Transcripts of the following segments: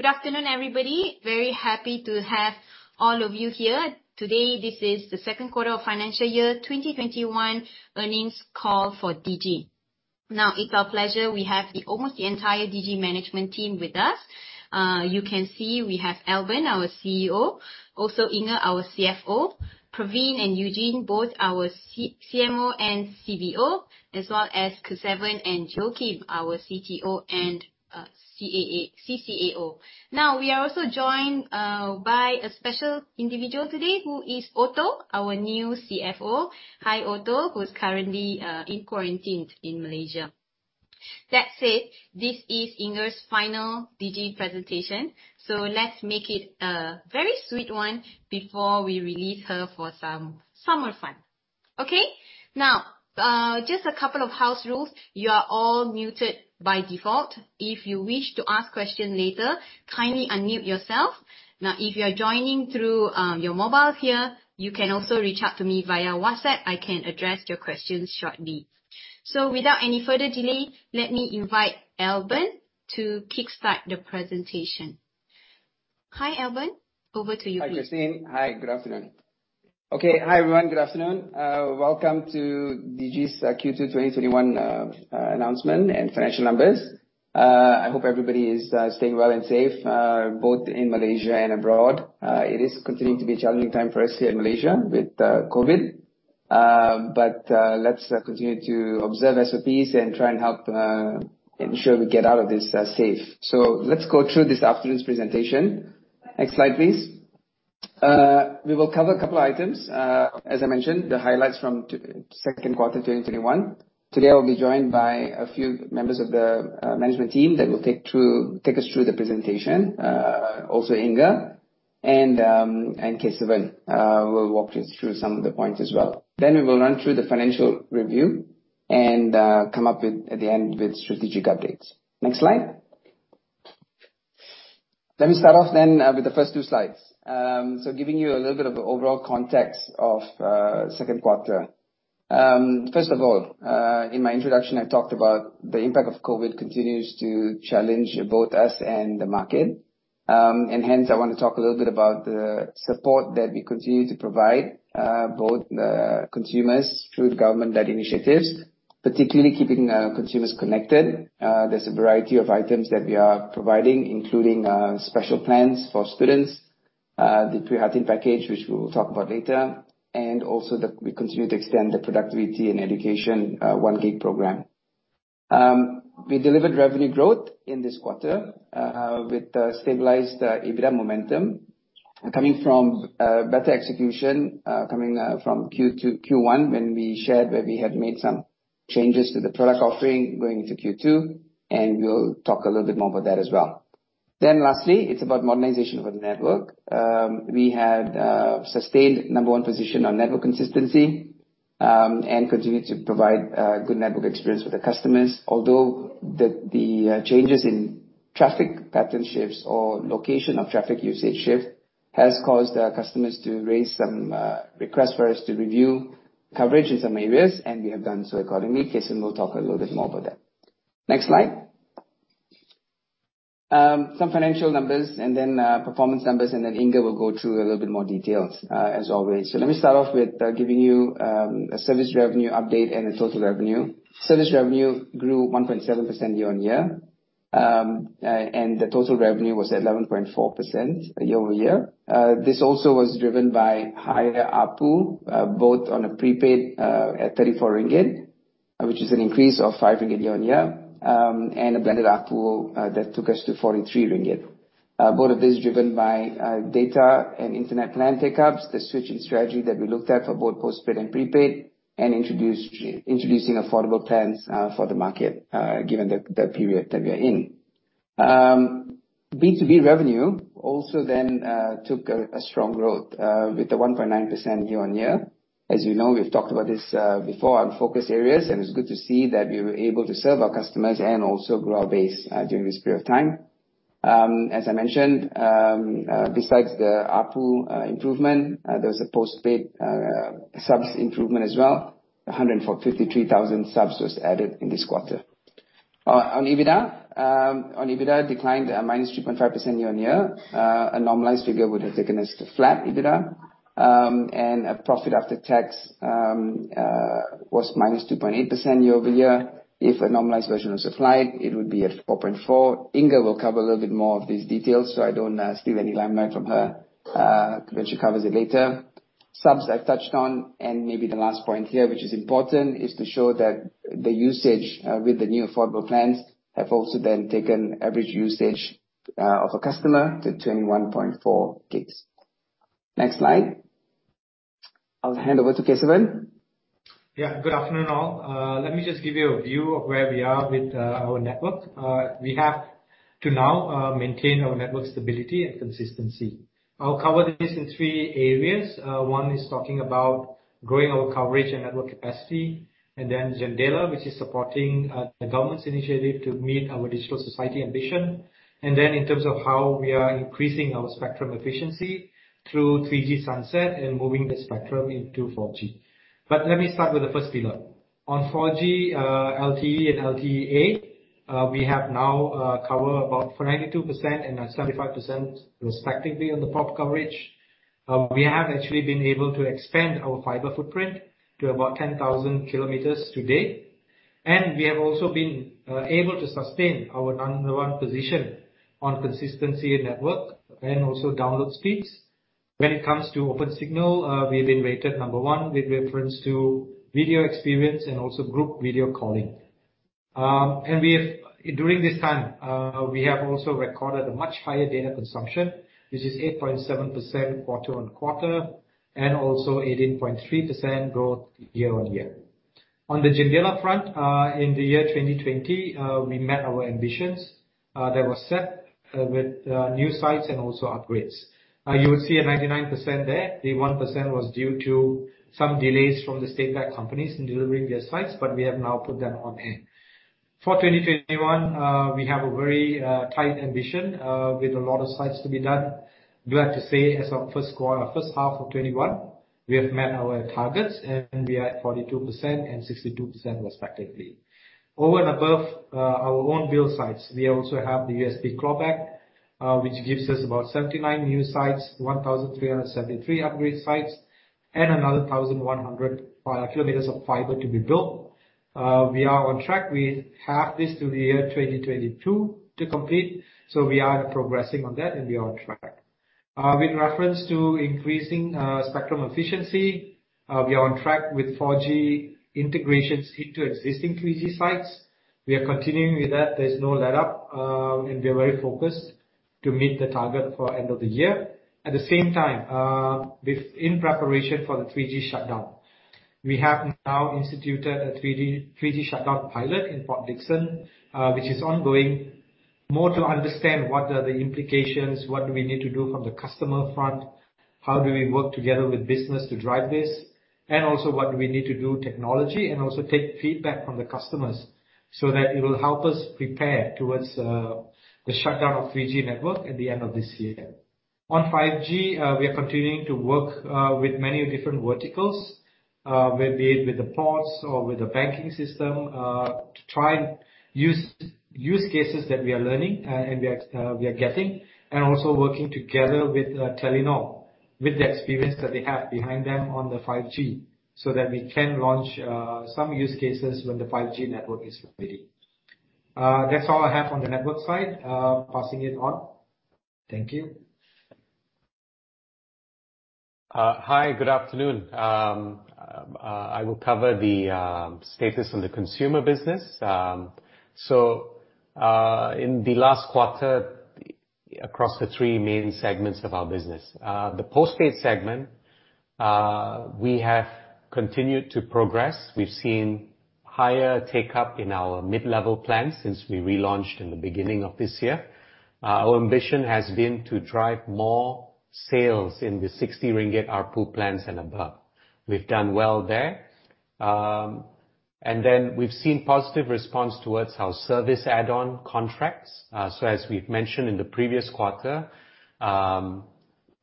Good afternoon, everybody. Very happy to have all of you here today. This is the second quarter of FY 2021 earnings call for Digi. It's our pleasure, we have almost the entire Digi management team with us. You can see we have Albern, our CEO. Inger, our CFO, Praveen and Eugene, both our CMO and CBO, as well as Kesavan and Joachim, our CTO and CCAO. We are also joined by a special individual today, who is Otto, our new CFO. Hi, Otto, who's currently in quarantine in Malaysia. That said, this is Inger's final Digi presentation, so let's make it a very sweet one before we release her for some summer fun. Okay? Just a couple of house rules. You are all muted by default. If you wish to ask questions later, kindly unmute yourself. If you're joining through your mobile here, you can also reach out to me via WhatsApp. I can address your questions shortly. Without any further delay, let me invite Albern to kickstart the presentation. Hi, Albern, over to you, please. Hi, Christine. Hi, good afternoon. Okay. Hi, everyone. Good afternoon. Welcome to Digi's Q2 2021 announcement and financial numbers. I hope everybody is doing well and safe, both in Malaysia and abroad. It is continuing to be a challenging time for us here in Malaysia with COVID. Let's continue to observe SOPs and try and help ensure we get out of this safe. Let's go through this afternoon's presentation. Next slide, please. We will cover a couple items. As I mentioned, the highlights from second quarter 2021. Today, I'll be joined by a few members of the management team that will take us through the presentation. Inger and Kesavan will walk you through some of the points as well. We will run through the financial review and come up at the end with strategic updates. Next slide. Let me start off with the first two slides. Giving you a little bit of the overall context of second quarter. First of all, in my introduction, I talked about the impact of COVID continues to challenge both us and the market. Hence, I want to talk a little bit about the support that we continue to provide, both consumers through the government-led initiatives, particularly keeping consumers connected. There's a variety of items that we are providing, including special plans for students, the Prihatin package, which we will talk about later, and also that we continue to extend the productivity and education 1 GB program. We delivered revenue growth in this quarter, with a stabilized EBITDA momentum coming from better execution, coming from Q1 when we shared where we had made some changes to the product offering going into Q2. We'll talk a little bit more about that as well. Lastly, it's about modernization of the network. We had sustained number one position on network consistency, continued to provide good network experience for the customers. The changes in traffic pattern shifts or location of traffic usage shift has caused our customers to raise some requests for us to review coverage in some areas. We have done so accordingly. Kesavan will talk a little bit more about that. Next slide. Some financial numbers, then performance numbers, then Inger will go through a little bit more details, as always. Let me start off with giving you a service revenue update and the total revenue. Service revenue grew 1.7% year-on-year. The total revenue was at 11.4% year-over-year. This also was driven by higher ARPU, both on a prepaid at 34 ringgit, which is an increase of 5 ringgit year-on-year, and a blended ARPU that took us to 43 ringgit. Both of these driven by data and internet plan take-ups, the switching strategy that we looked at for both postpaid and prepaid, and introducing affordable plans for the market given the period that we are in. B2B revenue also took a strong growth, with the 1.9% year-on-year. As you know, we've talked about this before, our focus areas, and it's good to see that we were able to serve our customers and also grow our base during this period of time. As I mentioned, besides the ARPU improvement, there's a postpaid subs improvement as well, 153,000 subs was added in this quarter. On EBITDA, declined a -3.5% year-on-year. A normalized figure would have taken us to flat EBITDA. A profit after tax was -2.8% year-over-year. If a normalized version was applied, it would be at 4.4%. Inger will cover a little bit more of these details, so I don't steal any limelight from her when she covers it later. Subs, I've touched on, and maybe the last point here, which is important, is to show that the usage with the new affordable plans have also then taken average usage of a customer to 21.4 gigs. Next slide. I'll hand over to Kesavan. Yeah. Good afternoon, all. Let me just give you a view of where we are with our network. We have to now maintain our network stability and consistency. I'll cover this in three areas. One is talking about growing our coverage and network capacity, JENDELA, which is supporting the government's initiative to meet our digital society ambition. In terms of how we are increasing our spectrum efficiency through 3G sunset and moving the spectrum into 4G. Let me start with the first pillar. On 4G, LTE, and LTE-A, we have now covered about 92% and 75% respectively on the pop coverage. We have actually been able to expand our fiber footprint to about 10,000 km today. We have also been able to sustain our number one position on consistency in network and also download speeds. When it comes to Opensignal, we've been rated number one with reference to video experience and also group video calling. During this time, we have also recorded a much higher data consumption, which is 8.7% quarter-on-quarter, and also 18.3% growth year-on-year. On the JENDELA front, in the year 2020, we met our ambitions that were set with new sites and also upgrades. You will see a 99% there. The 1% was due to some delays from the state-backed companies in delivering their sites, we have now put them on hand. For 2021, we have a very tight ambition with a lot of sites to be done. Glad to say as of first half of 2021, we have met our targets and we are at 42% and 62% respectively. Over and above our own build sites, we also have the USP Clawback, which gives us about 79 new sites, 1,373 upgrade sites, and another 1,100 km of fiber to be built. We are on track. We have this till the year 2022 to complete, so we are progressing on that and we are on track. With reference to increasing spectrum efficiency, we are on track with 4G integrations into existing 3G sites. We are continuing with that. There's no let-up, and we are very focused to meet the target for end of the year. At the same time, in preparation for the 3G shutdown, we have now instituted a 3G shutdown pilot in Port Dickson, which is ongoing, more to understand what are the implications, what do we need to do from the customer front, how do we work together with business to drive this, and also what do we need to do technology and also take feedback from the customers so that it will help us prepare towards the shutdown of 3G network at the end of this year. On 5G, we are continuing to work with many different verticals, be it with the ports or with the banking system, to try use cases that we are learning and we are getting and also working together with Telenor, with the experience that they have behind them on the 5G, so that we can launch some use cases when the 5G network is ready. That's all I have on the network side. Passing it on. Thank you. Hi. Good afternoon. I will cover the status on the consumer business. In the last quarter, across the three main segments of our business. The postpaid segment, we have continued to progress. We've seen higher take-up in our mid-level plan since we relaunched in the beginning of this year. Our ambition has been to drive more sales in the 60 ringgit ARPU plans and above. We've done well there. We've seen positive response towards our service add-on contracts. As we've mentioned in the previous quarter,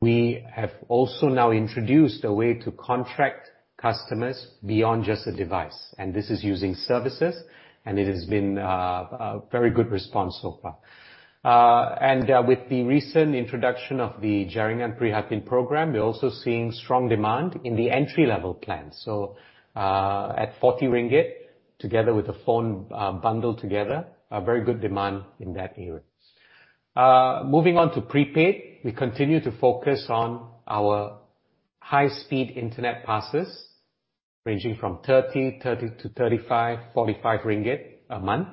we have also now introduced a way to contract customers beyond just a device, and this is using services, and it has been a very good response so far. With the recent introduction of the Jaringan Prihatin program, we're also seeing strong demand in the entry-level plan. At 40 ringgit, together with a phone bundled together, very good demand in that area. Moving on to prepaid, we continue to focus on our high-speed internet passes, ranging from 30-35, 45 ringgit a month.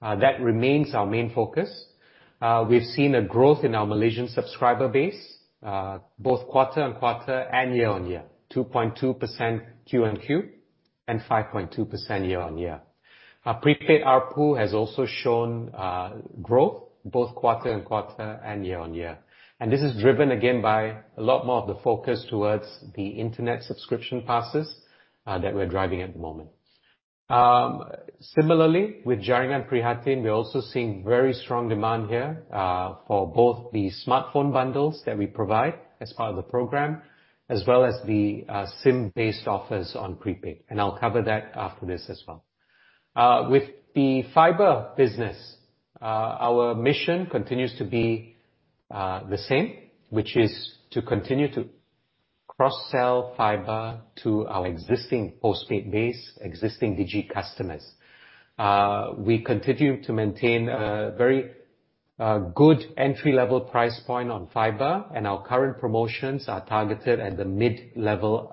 That remains our main focus. We've seen a growth in our Malaysian subscriber base, both quarter-over-quarter and year-over-year, 2.2% quarter-over-quarter and 5.2% year-over-year. Our prepaid ARPU has also shown growth both quarter-over-quarter and year-over-year. This is driven again by a lot more of the focus towards the internet subscription passes that we're driving at the moment. Similarly, with Jaringan Prihatin, we're also seeing very strong demand here, for both the smartphone bundles that we provide as part of the program, as well as the SIM-based offers on prepaid. I'll cover that after this as well. With the fiber business, our mission continues to be the same, which is to continue to cross-sell fiber to our existing postpaid base, existing Digi customers. We continue to maintain a very good entry-level price point on fiber, our current promotions are targeted at the mid-level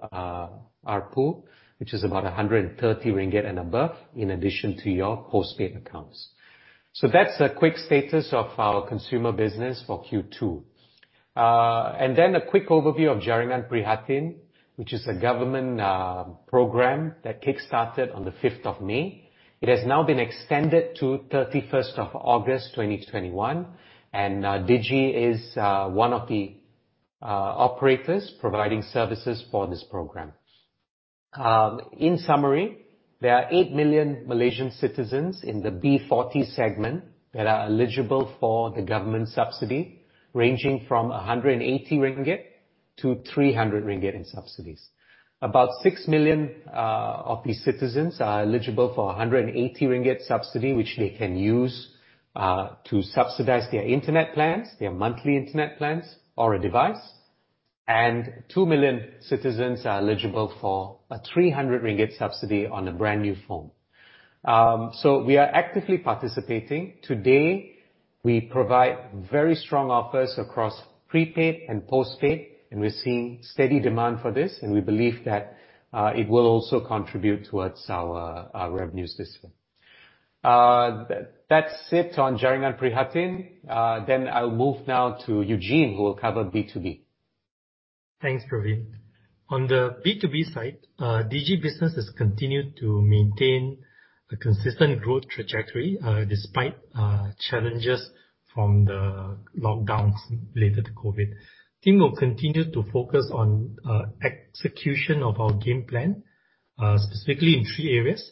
ARPU, which is about 130 ringgit and above, in addition to your postpaid accounts. That's a quick status of our consumer business for Q2. A quick overview of Jaringan Prihatin, which is a government program that kickstarted on the 5th of May. It has now been extended to 31st of August 2021, Digi is one of the operators providing services for this program. In summary, there are 8 million Malaysian citizens in the B40 segment that are eligible for the government subsidy, ranging from 180-300 ringgit in subsidies. About 6 million of these citizens are eligible for 180 ringgit subsidy, which they can use to subsidize their monthly internet plans or a device. 2 million citizens are eligible for a 300 ringgit subsidy on a brand-new phone. We are actively participating. Today, we provide very strong offers across prepaid and postpaid, and we're seeing steady demand for this. We believe that it will also contribute towards our revenues this year. That's it on Jaringan Prihatin. I'll move now to Eugene, who will cover B2B. Thanks, Praveen. On the B2B side, Digi Business has continued to maintain a consistent growth trajectory, despite challenges from the lockdowns related to COVID. Team will continue to focus on execution of our game plan, specifically in three areas.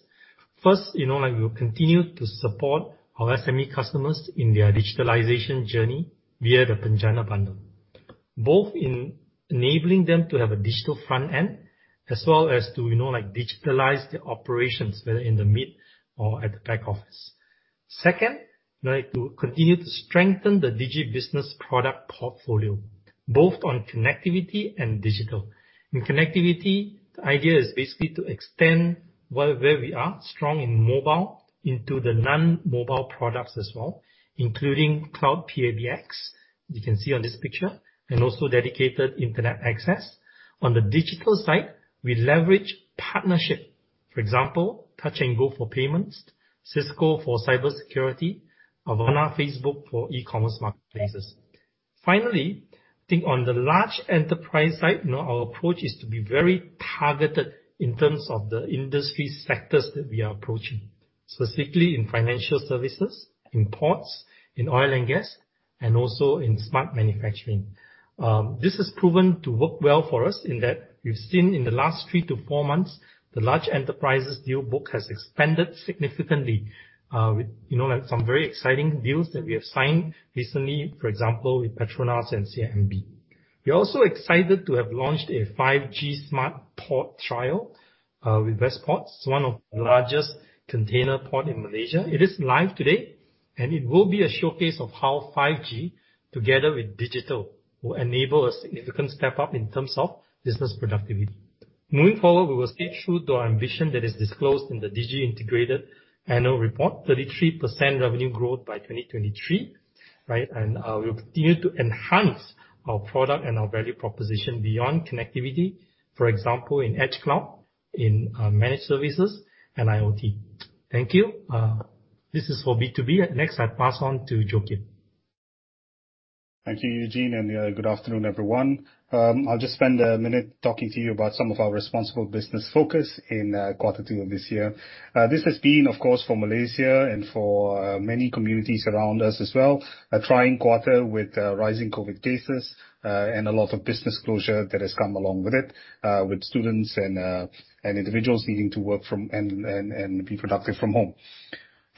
First, we will continue to support our SME customers in their digitalization journey via the PENJANA bundle, both in enabling them to have a digital front end as well as to digitalize their operations, whether in the mid or at the back office. Second, to continue to strengthen the Digi Business product portfolio, both on connectivity and digital. In connectivity, the idea is basically to extend where we are strong in mobile into the non-mobile products as well, including cloud PABX, you can see on this picture, and also dedicated internet access. On the digital side, we leverage partnership. For example, Touch 'n Go for payments, Cisco for cybersecurity, Facebook for e-commerce marketplaces. Finally, I think on the large enterprise side, our approach is to be very targeted in terms of the industry sectors that we are approaching. Specifically in financial services, in ports, in oil and gas, and also in smart manufacturing. This has proven to work well for us in that we've seen in the last three to four months, the large enterprises deal book has expanded significantly, with some very exciting deals that we have signed recently, for example, with PETRONAS and CIMB. We are also excited to have launched a 5G smart port trial, with Westports, one of the largest container port in Malaysia. It is live today, and it will be a showcase of how 5G, together with digital, will enable a significant step up in terms of business productivity. Moving forward, we will stay true to our ambition that is disclosed in the Digi Integrated Annual Report, 33% revenue growth by 2023. Right? We will continue to enhance our product and our value proposition beyond connectivity. For example, in edge cloud, in managed services and IoT. Thank you. This is for B2B. Next, I pass on to Joachim. Thank you, Eugene, and good afternoon, everyone. I'll just spend a minute talking to you about some of our responsible business focus in quarter two of this year. This has been, of course, for Malaysia and for many communities around us as well, a trying quarter with rising COVID cases, and a lot of business closure that has come along with it, with students and individuals needing to work from and be productive from home.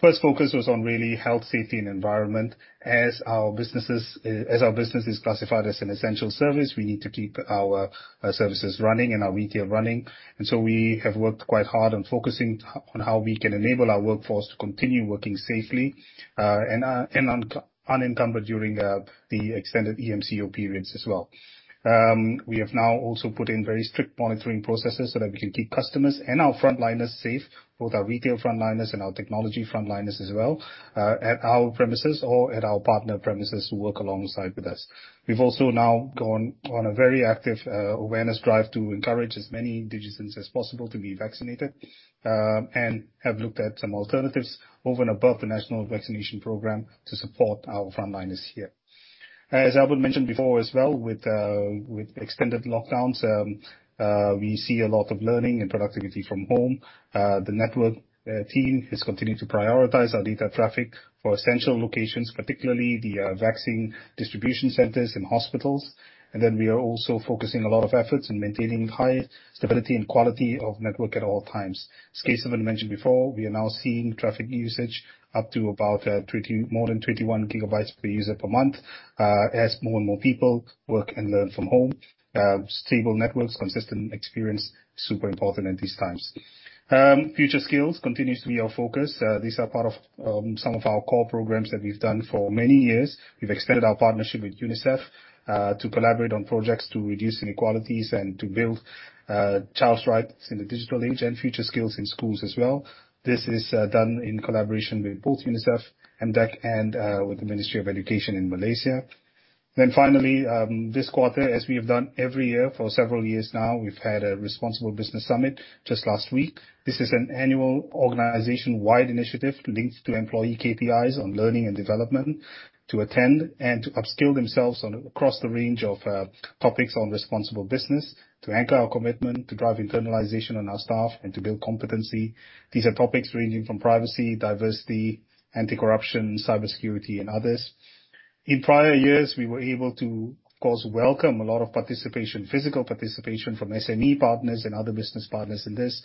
First focus was on really health, safety, and environment. As our business is classified as an essential service, we need to keep our services running and our retail running. We have worked quite hard on focusing on how we can enable our workforce to continue working safely, and unencumbered during the extended EMCO periods as well. We have now also put in very strict monitoring processes so that we can keep customers and our frontliners safe, both our retail frontliners and our technology frontliners as well, at our premises or at our partner premises who work alongside with us. We've also now gone on a very active awareness drive to encourage as many Digizens as possible to be vaccinated, and have looked at some alternatives over and above the national vaccination program to support our frontliners here. As Albern mentioned before as well, with extended lockdowns, we see a lot of learning and productivity from home. The network team is continuing to prioritize our data traffic for essential locations, particularly the vaccine distribution centers and hospitals. We are also focusing a lot of efforts in maintaining high stability and quality of network at all times. As Kesavan mentioned before, we are now seeing traffic usage up to about more than 21 GBs per user per month. As more and more people work and learn from home, stable networks, consistent experience, super important at these times. Future Skills continues to be our focus. These are part of some of our core programs that we've done for many years. We've extended our partnership with UNICEF to collaborate on projects to reduce inequalities and to build child's rights in the digital age and future skills in schools as well. This is done in collaboration with both UNICEF, MDEC and with the Ministry of Education in Malaysia. Finally, this quarter, as we have done every year for several years now, we've had a Responsible Business Summit just last week. This is an annual organization-wide initiative linked to employee KPIs on learning and development to attend and to upskill themselves on across the range of topics on responsible business, to anchor our commitment, to drive internalization on our staff, and to build competency. These are topics ranging from privacy, diversity, anti-corruption, cybersecurity, and others. In prior years, we were able to, of course, welcome a lot of physical participation from SME partners and other business partners in this.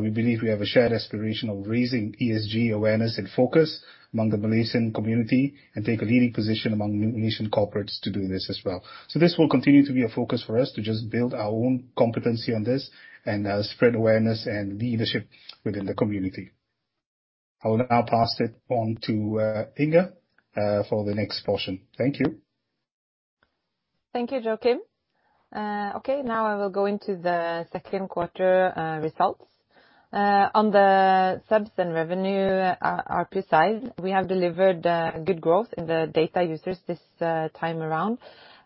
We believe we have a shared aspiration of raising ESG awareness and focus among the Malaysian community, and take a leading position among Malaysian corporates to do this as well. This will continue to be a focus for us to just build our own competency on this and spread awareness and leadership within the community. I will now pass it on to Inger for the next portion. Thank you. Thank you, Joachim. Now I will go into the second quarter results. On the subs and revenue, ARPU side, we have delivered good growth in the data users this time around.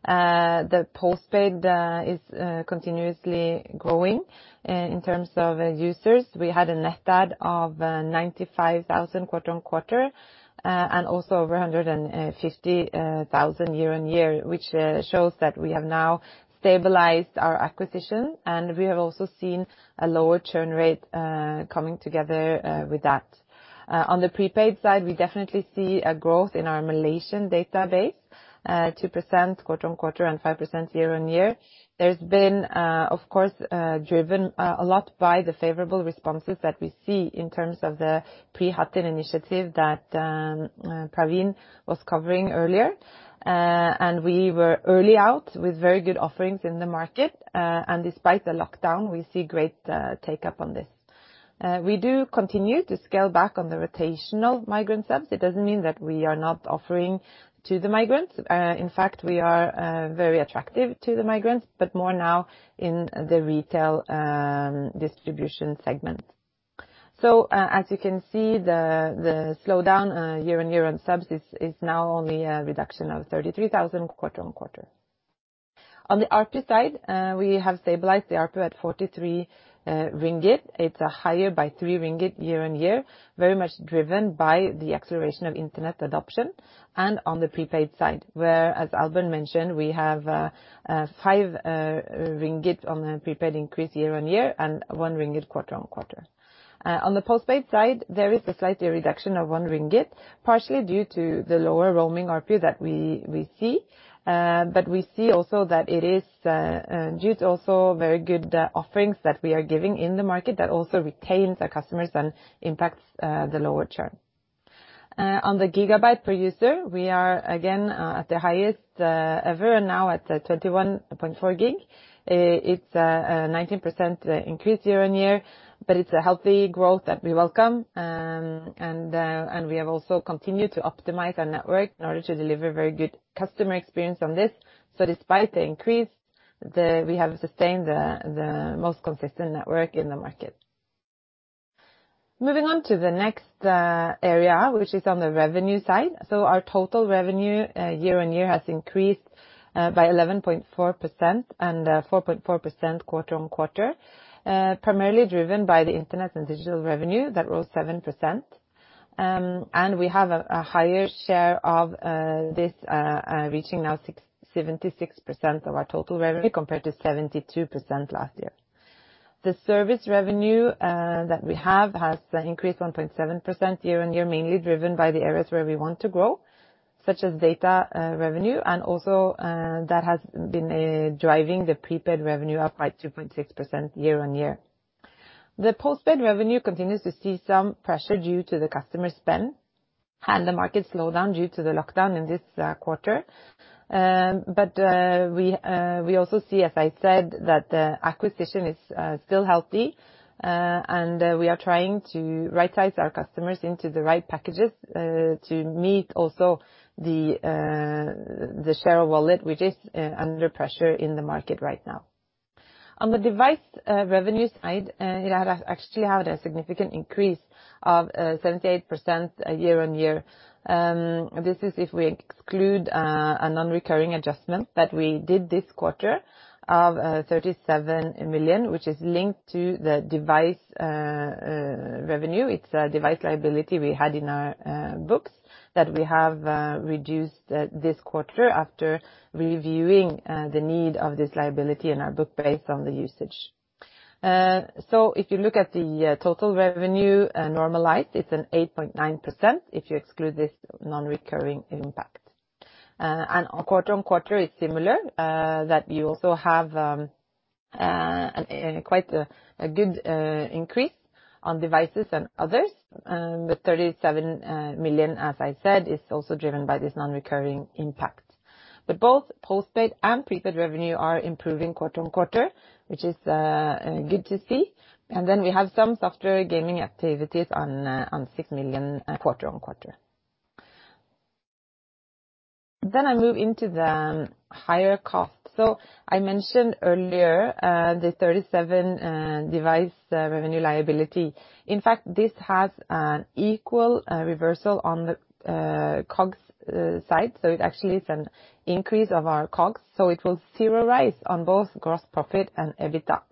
The postpaid is continuously growing. In terms of users, we had a net add of 95,000 quarter-on-quarter, and also over 150,000 year-on-year, which shows that we have now stabilized our acquisition, and we have also seen a lower churn rate coming together with that. On the prepaid side, we definitely see a growth in our Malaysian database, 2% quarter-on-quarter and 5% year-on-year. There's been, of course, driven a lot by the favorable responses that we see in terms of the Prihatin initiative that Praveen was covering earlier. We were early out with very good offerings in the market, and despite the lockdown, we see great take-up on this. We do continue to scale back on the rotational migrant subs. It doesn't mean that we are not offering to the migrants. We are very attractive to the migrants, more now in the retail distribution segment. As you can see, the slowdown year-over-year on subs is now only a reduction of 33,000 quarter-over-quarter. On the ARPU side, we have stabilized the ARPU at 43 ringgit. It is higher by 3 ringgit year-over-year, very much driven by the acceleration of internet adoption, on the prepaid side, where, as Albern mentioned, we have 5 ringgit on the prepaid increase year-over-year, 1 ringgit quarter-over-quarter. On the postpaid side, there is a slight reduction of 1 ringgit, partially due to the lower roaming ARPU that we see. We see also that it is due to also very good offerings that we are giving in the market that also retains our customers and impacts the lower churn. On the gigabyte per user, we are again at the highest ever, now at 21.4 gig. It's a 19% increase year-on-year, it's a healthy growth that we welcome. We have also continued to optimize our network in order to deliver very good customer experience on this. Despite the increase, we have sustained the most consistent network in the market. Moving on to the next area, which is on the revenue side. Our total revenue year-on-year has increased by 11.4% and 4.4% quarter-on-quarter, primarily driven by the internet and digital revenue that rose 7%. We have a higher share of this, reaching now 76% of our total revenue compared to 72% last year. The service revenue that we have has increased 1.7% year-on-year, mainly driven by the areas where we want to grow, such as data revenue, and also that has been driving the prepaid revenue up by 2.6% year-on-year. The postpaid revenue continues to see some pressure due to the customer spend and the market slowdown due to the lockdown in this quarter. We also see, as I said, that the acquisition is still healthy, and we are trying to rightsize our customers into the right packages to meet also the share of wallet, which is under pressure in the market right now. On the device revenue side, it actually had a significant increase of 78% year-on-year. This is if we exclude a non-recurring adjustment that we did this quarter of 37 million, which is linked to the device revenue. It's a device liability we had in our books that we have reduced this quarter after reviewing the need of this liability in our book based on the usage. If you look at the total revenue normalized, it's an 8.9%, if you exclude this non-recurring impact. Quarter-on-quarter is similar, that we also have quite a good increase on devices and others. 37 million, as I said, is also driven by this non-recurring impact. Both postpaid and prepaid revenue are improving quarter-on-quarter, which is good to see. We have some software gaming activities on MYR 6 million quarter-on-quarter. I move into the higher cost. I mentioned earlier the 37 device revenue liability. In fact, this has an equal reversal on the COGS side. It actually is an increase of our COGS. It will zeroise on both gross profit and EBITDA.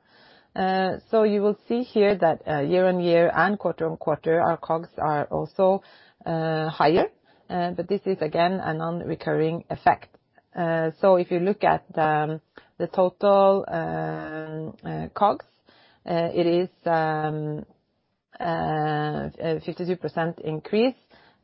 You will see here that year-on-year and quarter-on-quarter, our COGS are also higher. This is again a non-recurring effect. If you look at the total COGS, it is a 52% increase,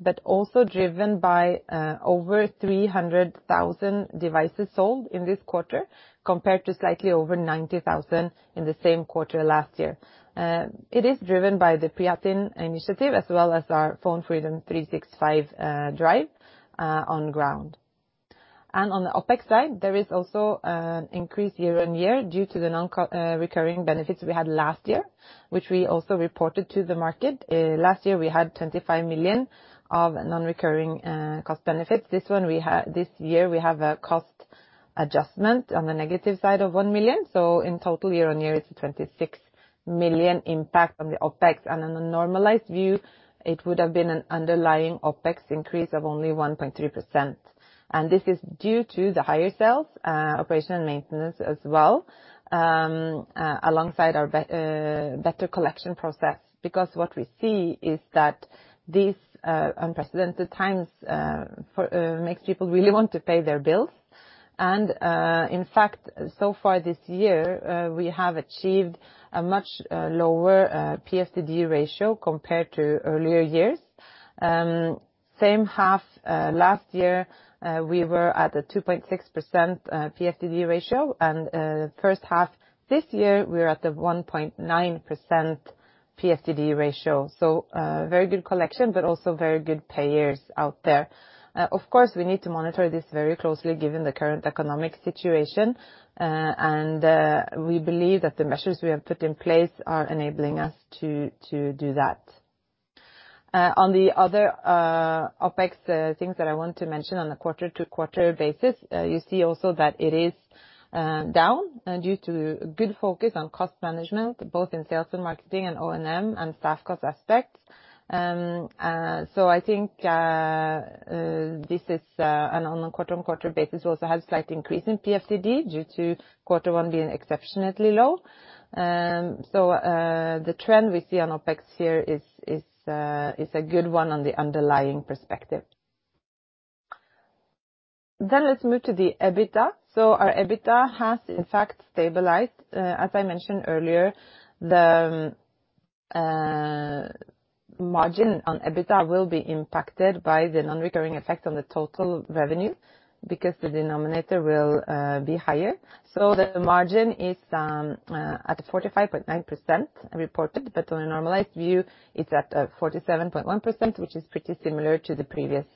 but also driven by over 300,000 devices sold in this quarter compared to slightly over 90,000 in the same quarter last year. It is driven by the Prihatin initiative as well as our PhoneFreedom 365 drive on ground. On the OpEx side, there is also an increase year-on-year due to the non-recurring benefits we had last year, which we also reported to the market. Last year we had 25 million of non-recurring cost benefits. This year we have a cost adjustment on the negative side of 1 million. In total year-over-year, it's a 26 million impact on the OpEx. On a normalized view, it would have been an underlying OpEx increase of only 1.3%. This is due to the higher sales operation maintenance as well, alongside our better collection process. Because what we see is that these unprecedented times makes people really want to pay their bills. In fact, so far this year, we have achieved a much lower PFDD ratio compared to earlier years. Same half last year, we were at a 2.6% PFDD ratio, and first half this year, we are at the 1.9% PFDD ratio. Very good collection, but also very good payers out there. Of course, we need to monitor this very closely given the current economic situation. We believe that the measures we have put in place are enabling us to do that. On the other OpEx things that I want to mention on a quarter-to-quarter basis, you see also that it is down due to good focus on cost management, both in sales and marketing and O&M and staff cost aspects. I think this is on a quarter-on-quarter basis, we also had a slight increase in PFDD due to quarter one being exceptionally low. The trend we see on OpEx here is a good one on the underlying perspective. Let's move to the EBITDA. Our EBITDA has in fact stabilized. As I mentioned earlier, the margin on EBITDA will be impacted by the non-recurring effect on the total revenue because the denominator will be higher. The margin is at 45.9% reported, but on a normalized view, it's at 47.1%, which is pretty similar to the previous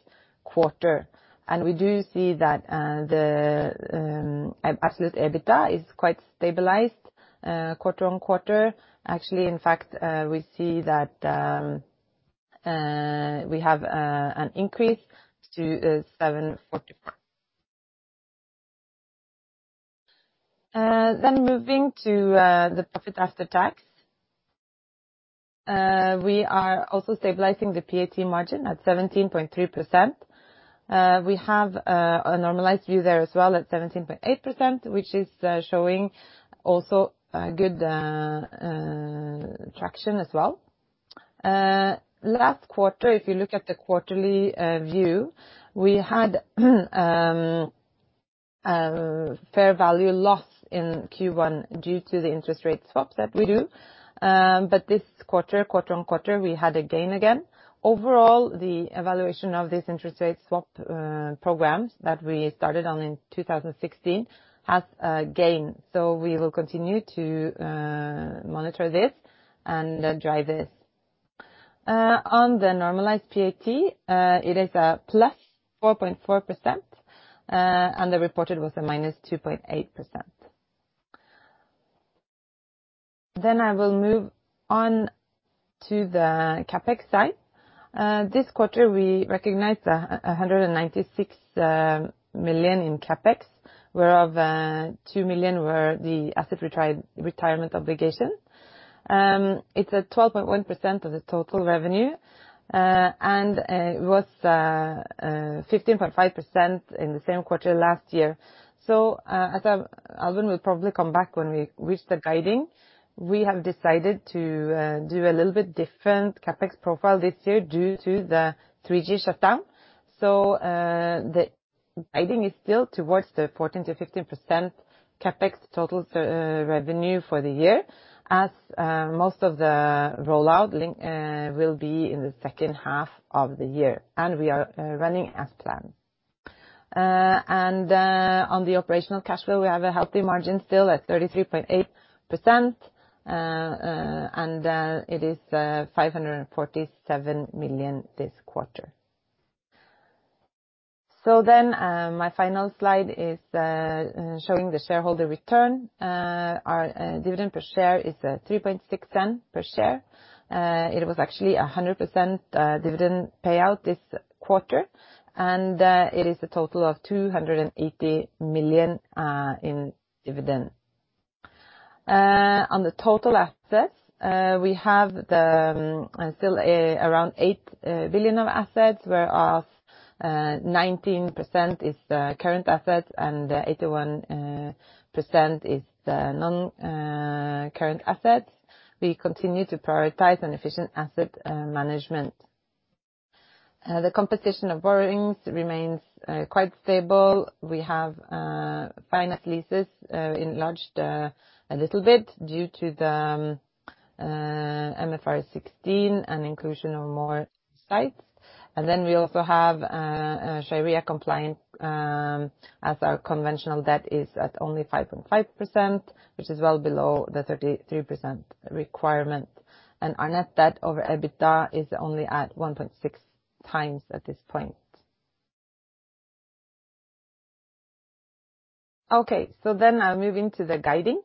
quarter. We do see that the absolute EBITDA is quite stabilized quarter-on-quarter. Actually, in fact, we see that we have an increase to MYR 744. Moving to the profit after tax. We are also stabilizing the PAT margin at 17.3%. We have a normalized view there as well at 17.8%, which is showing also good traction as well. Last quarter, if you look at the quarterly view, we had fair value loss in Q1 due to the interest rate swaps that we do. This quarter-on-quarter, we had a gain again. Overall, the evaluation of these interest rate swap programs that we started on in 2016 has a gain. We will continue to monitor this and drive this. On the normalized PAT, it is a +4.4%, and the reported was a -2.8%. I will move on to the CapEx side. This quarter, we recognized 196 million in CapEx, whereof 2 million were the asset retirement obligation. It's at 12.1% of the total revenue, and it was 15.5% in the same quarter last year. As Albern will probably come back when we reach the guiding, we have decided to do a little bit different CapEx profile this year due to the 3G shutdown. The guiding is still towards the 14%-15% CapEx total revenue for the year, as most of the rollout will be in the second half of the year, and we are running as planned. On the operational cash flow, we have a healthy margin still at 33.8%, and it is 547 million this quarter. My final slide is showing the shareholder return. Our dividend per share is 0.036 per share. It was actually 100% dividend payout this quarter, and it is a total of 280 million in dividend. On the total assets, we have still around 8 billion of assets, whereof 19% is current assets and 81% is non-current assets. We continue to prioritize an efficient asset management. The composition of borrowings remains quite stable. We have finance leases enlarged a little bit due to the MFRS 16 and inclusion of more sites. We also have Sharia-compliant as our conventional debt is at only 5.5%, which is well below the 33% requirement. Our net debt over EBITDA is only at 1.6 times at this point. I'll move into the guiding.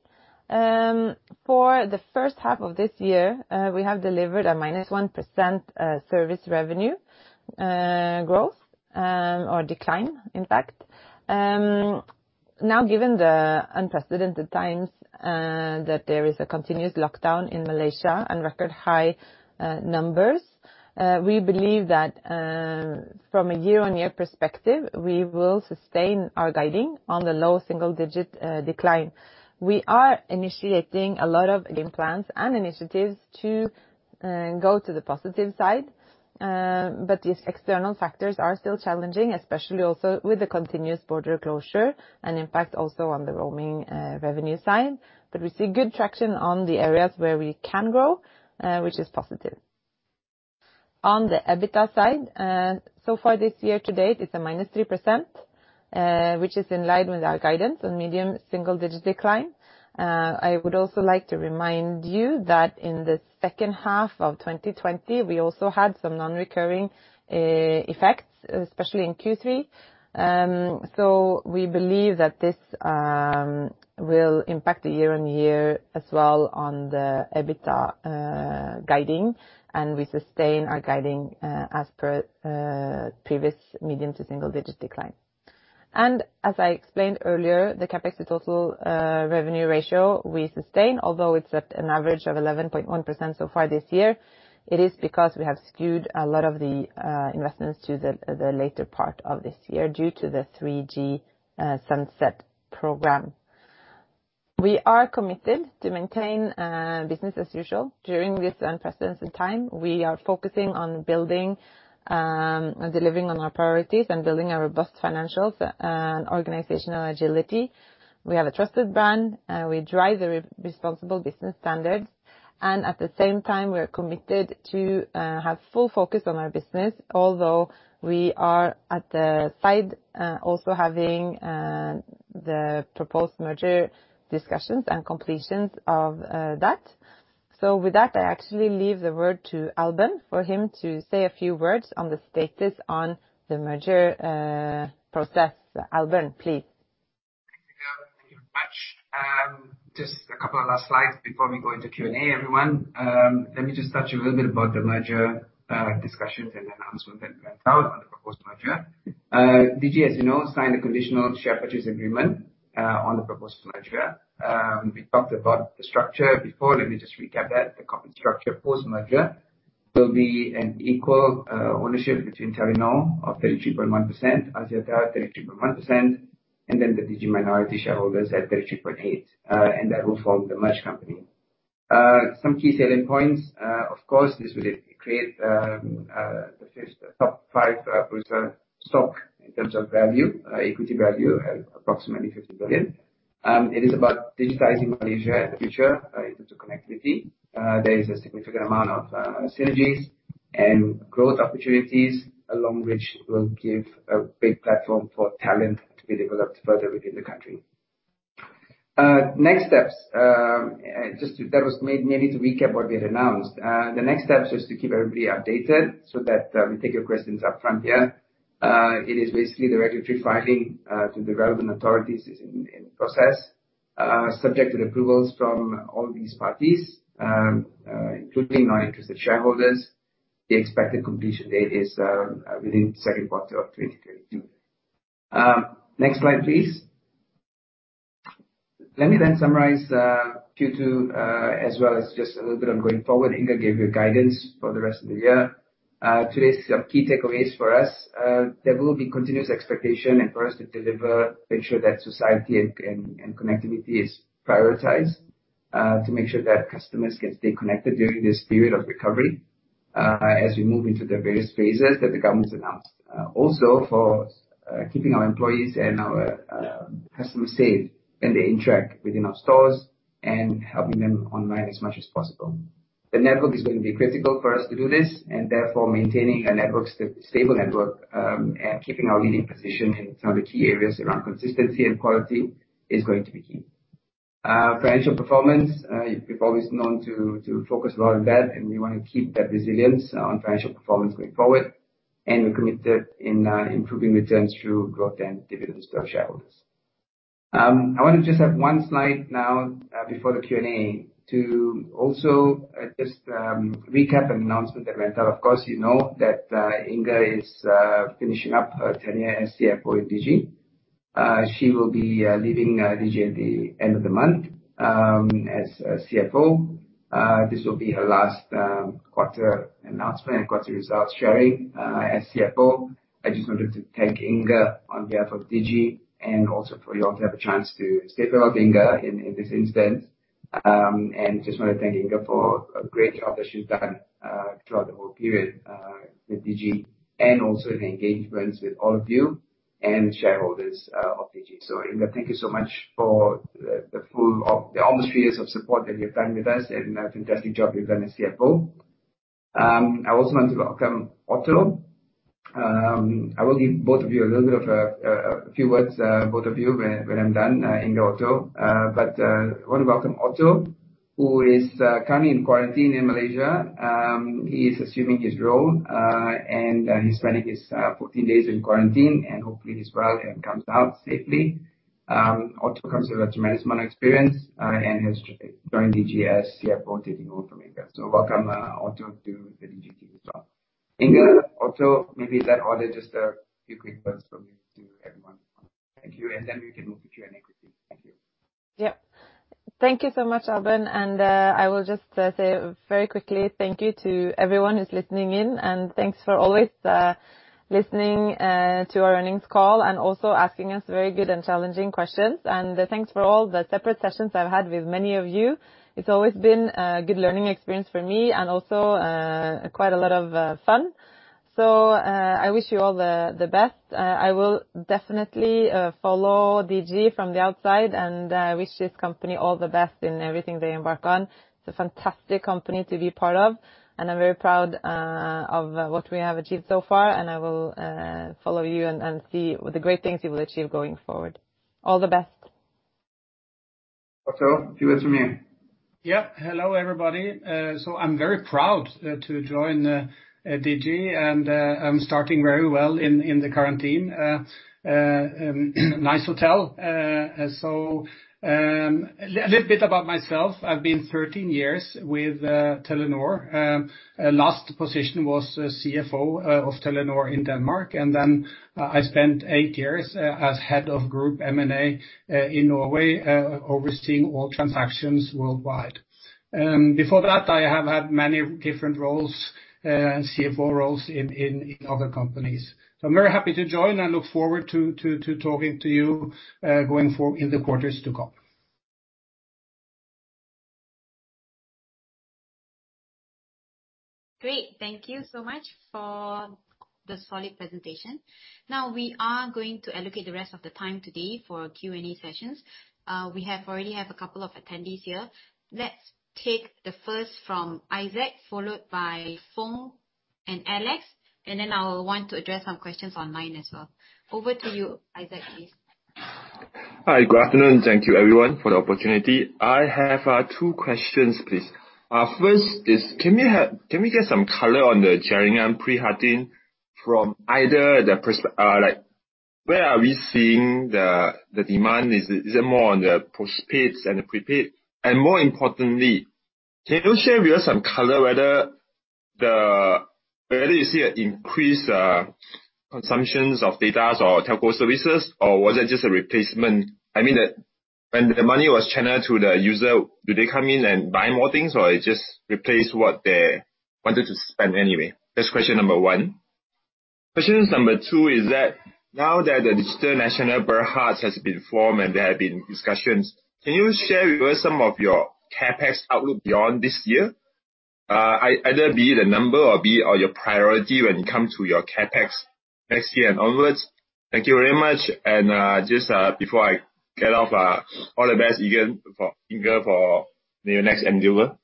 For the first half of this year, we have delivered a -1% service revenue growth or decline in fact. Given the unprecedented times that there is a continuous lockdown in Malaysia and record high numbers, we believe that from a year-on-year perspective, we will sustain our guiding on the low single-digit decline. We are initiating a lot of game plans and initiatives to go to the positive side, these external factors are still challenging, especially also with the continuous border closure and impact also on the roaming revenue side. We see good traction on the areas where we can grow, which is positive. On the EBITDA side, so far this year to date, it's a -3%, which is in line with our guidance on medium single-digit decline. I would also like to remind you that in the second half of 2020, we also had some non-recurring effects, especially in Q3. We believe that this will impact the year-on-year as well on the EBITDA guiding, and we sustain our guiding as per previous medium to single-digit decline. As I explained earlier, the CapEx to total revenue ratio we sustain, although it's at an average of 11.1% so far this year. It is because we have skewed a lot of the investments to the later part of this year due to the 3G sunset program. We are committed to maintain business as usual during this unprecedented time. We are focusing on building and delivering on our priorities and building our robust financials and organizational agility. We have a trusted brand, and we drive the responsible business standards. At the same time, we are committed to have full focus on our business, although we are at the side also having the proposed merger discussions and completions of that. With that, I actually leave the word to Albern for him to say a few words on the status on the merger process. Albern, please. Thank you very much. Just a couple of last slides before we go into Q&A, everyone. Let me just touch a little bit about the merger discussions and the announcement that went out on the proposed merger. Digi, as you know, signed a conditional share purchase agreement on the proposed merger. We talked about the structure before. Let me just recap that. The company structure post-merger will be an equal ownership between Telenor of 33.1%, Axiata 33.1%, and then the Digi minority shareholders at 33.8. That will form the merged company. Some key selling points, of course, this will create the top 5% stock in terms of value, equity value at approximately 50 billion. It is about digitizing Malaysia in the future in terms of connectivity. There is a significant amount of synergies and growth opportunities along which will give a big platform for talent to be developed further within the country. Next steps. That was maybe to recap what we had announced. The next steps is to keep everybody updated so that we take your questions up front here. It is basically the regulatory filing to the relevant authorities is in process, subject to the approvals from all these parties, including non-interested shareholders. The expected completion date is within the second quarter of 2022. Next slide, please. Let me summarize Q2, as well as just a little bit on going forward. Inger gave you guidance for the rest of the year. Today's key takeaways for us, there will be continuous expectation and for us to deliver, make sure that society and connectivity is prioritized to make sure that customers can stay connected during this period of recovery as we move into the various phases that the government's announced. Also, for keeping our employees and our customers safe when they interact within our stores and helping them online as much as possible. The network is going to be critical for us to do this, and therefore, maintaining a stable network and keeping our leading position in some of the key areas around consistency and quality is going to be key. Financial performance, we've always known to focus a lot on that, and we want to keep that resilience on financial performance going forward. We're committed in improving returns through growth and dividends to our shareholders. I want to just have one slide now before the Q&A to also just recap an announcement that went out. Of course, you know that Inger is finishing up her tenure as CFO of Digi. She will be leaving Digi at the end of the month as CFO. This will be her last quarter announcement and quarter results sharing as CFO. I just wanted to thank Inger on behalf of Digi and also for you all to have a chance to say farewell to Inger in this instance. Just want to thank Inger for a great job that she's done throughout the whole period with Digi and also the engagements with all of you and shareholders of Digi. Inger, thank you so much for the almost three years of support that you've done with us and a fantastic job you've done as CFO. I also want to welcome Otto. I will give both of you a little bit of a few words, both of you, when I'm done, Inger, Otto. I want to welcome Otto, who is currently in quarantine in Malaysia. He is assuming his role and he's spending his 14 days in quarantine, and hopefully he's well and comes out safely. Otto comes with a tremendous amount of experience and has joined Digi as CFO, taking over from Inger. Welcome, Otto, to the Digi team as well. Inger, Otto, maybe in that order, just a few quick words from you to everyone. Thank you. Then we can move to Q&A quickly. Thank you. Yeah. Thank you so much, Albern, and I will just say very quickly thank you to everyone who's listening in, and thanks for always listening to our earnings call and also asking us very good and challenging questions. Thanks for all the separate sessions I've had with many of you. It's always been a good learning experience for me and also quite a lot of fun. I wish you all the best. I will definitely follow Digi from the outside and wish this company all the best in everything they embark on. It's a fantastic company to be part of, and I'm very proud of what we have achieved so far. I will follow you and see the great things you will achieve going forward. All the best. Otto, a few words from you. Hello, everybody. I'm very proud to join Digi, and I'm starting very well in the quarantine. Nice hotel. A little bit about myself. I've been 13 years with Telenor. Last position was CFO of Telenor in Denmark, then I spent 8 years as head of group M&A in Norway, overseeing all transactions worldwide. Before that, I have had many different roles and CFO roles in other companies. I'm very happy to join and look forward to talking to you going forward in the quarters to come. Great. Thank you so much for the solid presentation. We are going to allocate the rest of the time today for Q&A sessions. We already have a couple of attendees here. Let's take the first from Isaac, followed by Foong and Alex, and then I want to address some questions online as well. Over to you, Isaac, please. Hi. Good afternoon. Thank you everyone for the opportunity. I have two questions, please. First is, can we get some color on the Jaringan Prihatin from either the like, where are we seeing the demand? Is it more on the postpaid and the prepaid? More importantly, can you share with us some color whether you see an increased consumptions of datas or telco services, or was it just a replacement? I mean, when the money was channeled to the user, do they come in and buy more things or it just replaced what they wanted to spend anyway? That's question number one. Question number two is that now that the Digital Nasional Berhad has been formed and there have been discussions, can you share with us some of your CapEx outlook beyond this year? Either be the number or be your priority when it comes to your CapEx next year and onwards. Thank you very much. Just before I get off, all the best, Inger, for your next endeavor.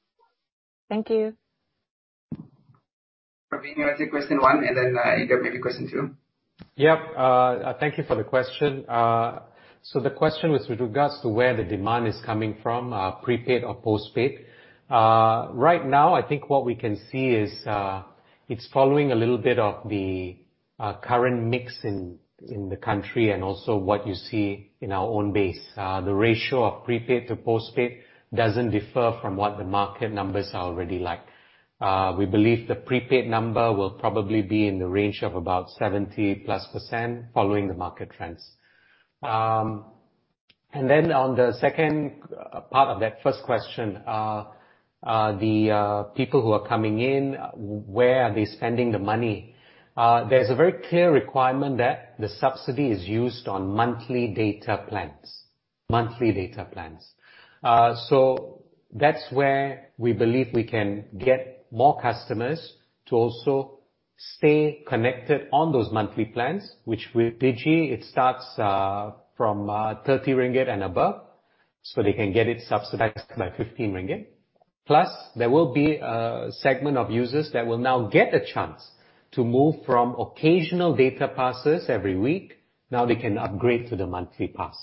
Thank you. Praveen, you want to take question one, and then, Inger, maybe question two. Thank you for the question. The question was with regards to where the demand is coming from, prepaid or postpaid. I think what we can see is it's following a little bit of the current mix in the country and also what you see in our own base. The ratio of prepaid to postpaid doesn't differ from what the market numbers are already like. We believe the prepaid number will probably be in the range of about 70%+, following the market trends. On the second part of that first question, the people who are coming in, where are they spending the money? There's a very clear requirement that the subsidy is used on monthly data plans. Monthly data plans. That's where we believe we can get more customers to also stay connected on those monthly plans, which with Digi, it starts from 30 ringgit and above, they can get it subsidized by 15 ringgit. Plus, there will be a segment of users that will now get a chance to move from occasional data passes every week. Now they can upgrade to the monthly pass.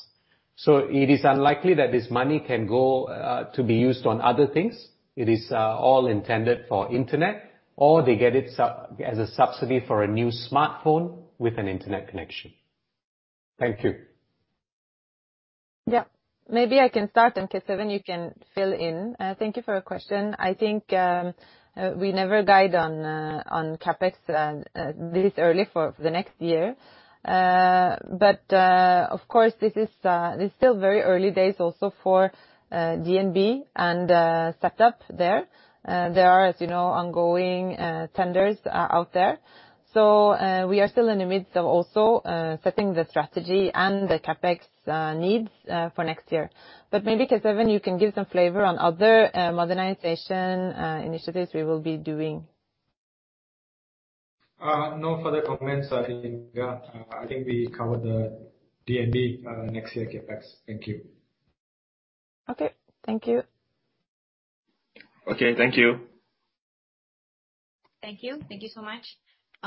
It is unlikely that this money can go to be used on other things. It is all intended for internet, or they get it as a subsidy for a new smartphone with an internet connection. Thank you. Yeah. Maybe I can start and, Kesavan, you can fill in. Thank you for your question. I think we never guide on CapEx this early for the next year. Of course, this is still very early days also for DNB and setup there. There are, as you know, ongoing tenders out there. We are still in the midst of also setting the strategy and the CapEx needs for next year. Maybe, Kesavan, you can give some flavor on other modernization initiatives we will be doing. No further comments, Inger. I think we covered the DNB next year CapEx. Thank you. Okay, thank you. Okay, thank you. Thank you. Thank you so much.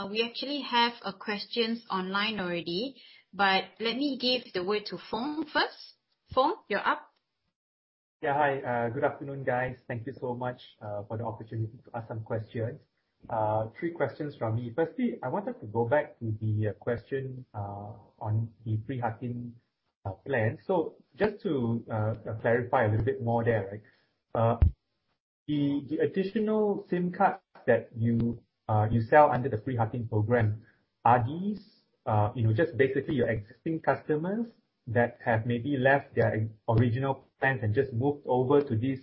We actually have questions online already, but let me give the way to Foong first. Foong, you are up. Yeah. Hi, good afternoon, guys. Thank you so much for the opportunity to ask some questions. Three questions from me. Firstly, I wanted to go back to the question on the Prihatin plan. Just to clarify a little bit more there. The additional SIM cards that you sell under the Prihatin program, are these just basically your existing customers that have maybe left their original plan and just moved over to these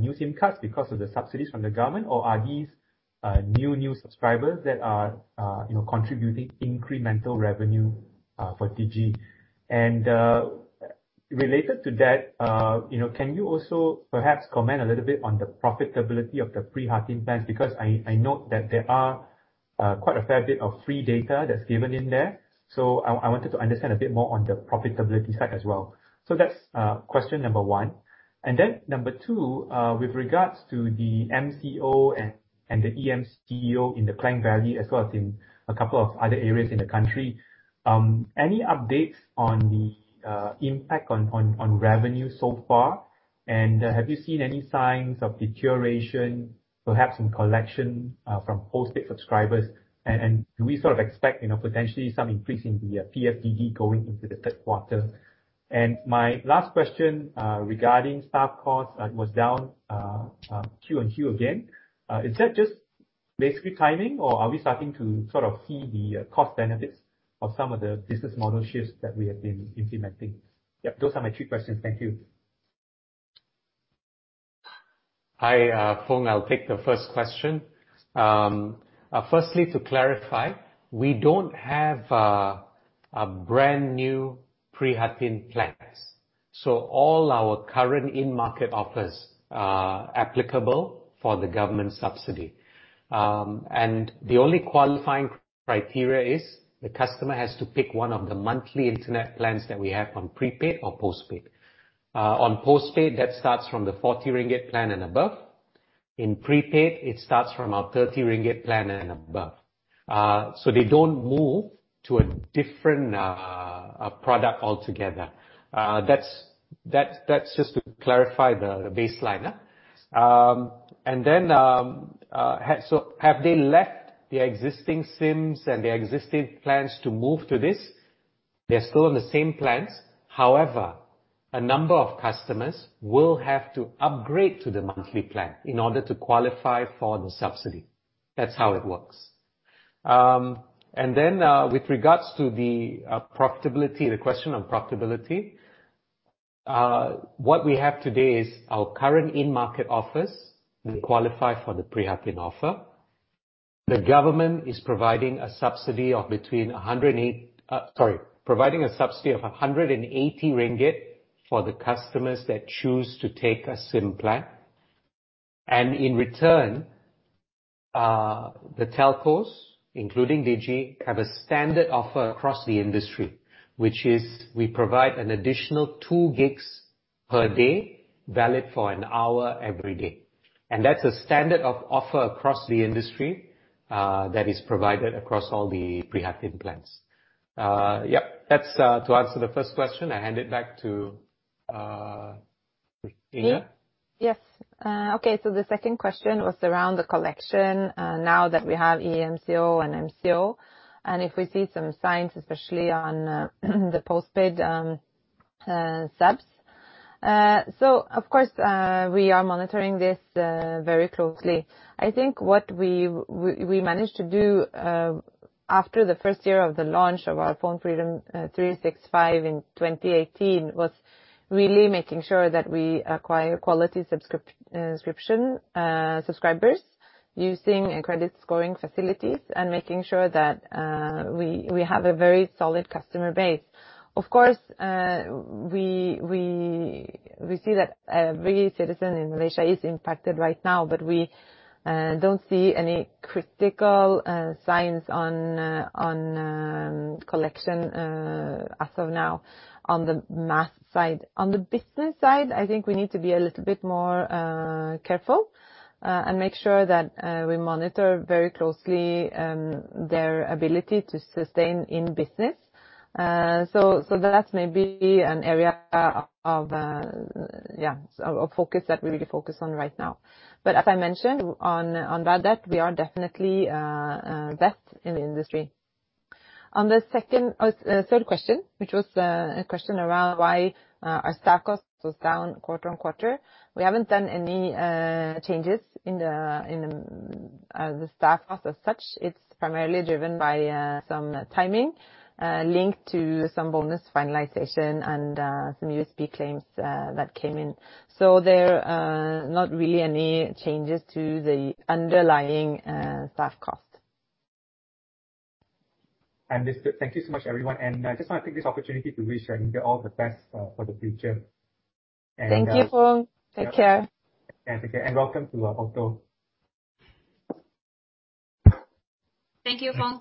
new SIM cards because of the subsidies from the government? Are these new subscribers that are contributing incremental revenue for Digi? Related to that, can you also perhaps comment a little bit on the profitability of the Prihatin plans? Because I note that there are quite a fair bit of free data that's given in there. I wanted to understand a bit more on the profitability side as well. That's question number one. Number two, with regards to the MCO and the EMCO in the Klang Valley as well as in two other areas in the country. Any updates on the impact on revenue so far? Have you seen any signs of deterioration perhaps in collection from postpaid subscribers? Do we expect potentially some increase in the PFDD going into the third quarter? My last question regarding staff costs was down Q&Q again. Is that just basically timing or are we starting to see the cost benefits of some of the business model shifts that we have been implementing? Yep. Those are my three questions. Thank you. Hi, Foong. I'll take the first question. Firstly, to clarify, we don't have a brand new Prihatin plans. All our current in-market offers are applicable for the government subsidy. The only qualifying criteria is the customer has to pick one of the monthly internet plans that we have on prepaid or postpaid. On postpaid, that starts from the 40 ringgit plan and above. In prepaid, it starts from our 30 ringgit plan and above. They don't move to a different product altogether. That's just to clarify the baseline. Have they left their existing SIMs and their existing plans to move to this? They're still on the same plans. However, a number of customers will have to upgrade to the monthly plan in order to qualify for the subsidy. That's how it works. With regards to the profitability, the question on profitability. What we have today is our current in-market offers will qualify for the Prihatin offer. The government is providing a subsidy of 180 ringgit for the customers that choose to take a SIM plan. In return, the telcos, including Digi, have a standard offer across the industry, which is we provide an additional 2 gigs per day, valid for 1 hour every day. That's a standard of offer across the industry, that is provided across all the Prihatin plans. Yep. That's to answer the first question. I hand it back to Inger. Me? Yes. Okay. The second question was around the collection, now that we have EMCO and MCO, and if we see some signs, especially on the postpaid subs. Of course, we are monitoring this very closely. I think what we managed to do after the first year of the launch of our PhoneFreedom 365 in 2018, was really making sure that we acquire quality subscribers using credit scoring facilities and making sure that we have a very solid customer base. Of course, we see that every citizen in Malaysia is impacted right now, but we don't see any critical signs on collection as of now on the mass side. On the business side, I think we need to be a little bit more careful and make sure that we monitor very closely their ability to sustain in business. That's maybe an area of focus that we really focus on right now. As I mentioned on bad debt, we are definitely best in the industry. On the third question, which was a question around why our staff cost was down quarter-on-quarter. We haven't done any changes in the staff cost as such. It's primarily driven by some timing, linked to some bonus finalization and some USP claims that came in. There are not really any changes to the underlying staff cost. Understood. Thank you so much, everyone. I just want to take this opportunity to wish Inger all the best for the future. Thank you, Foong. Take care. Yeah. Take care, and welcome to board too. Thank you, Foong.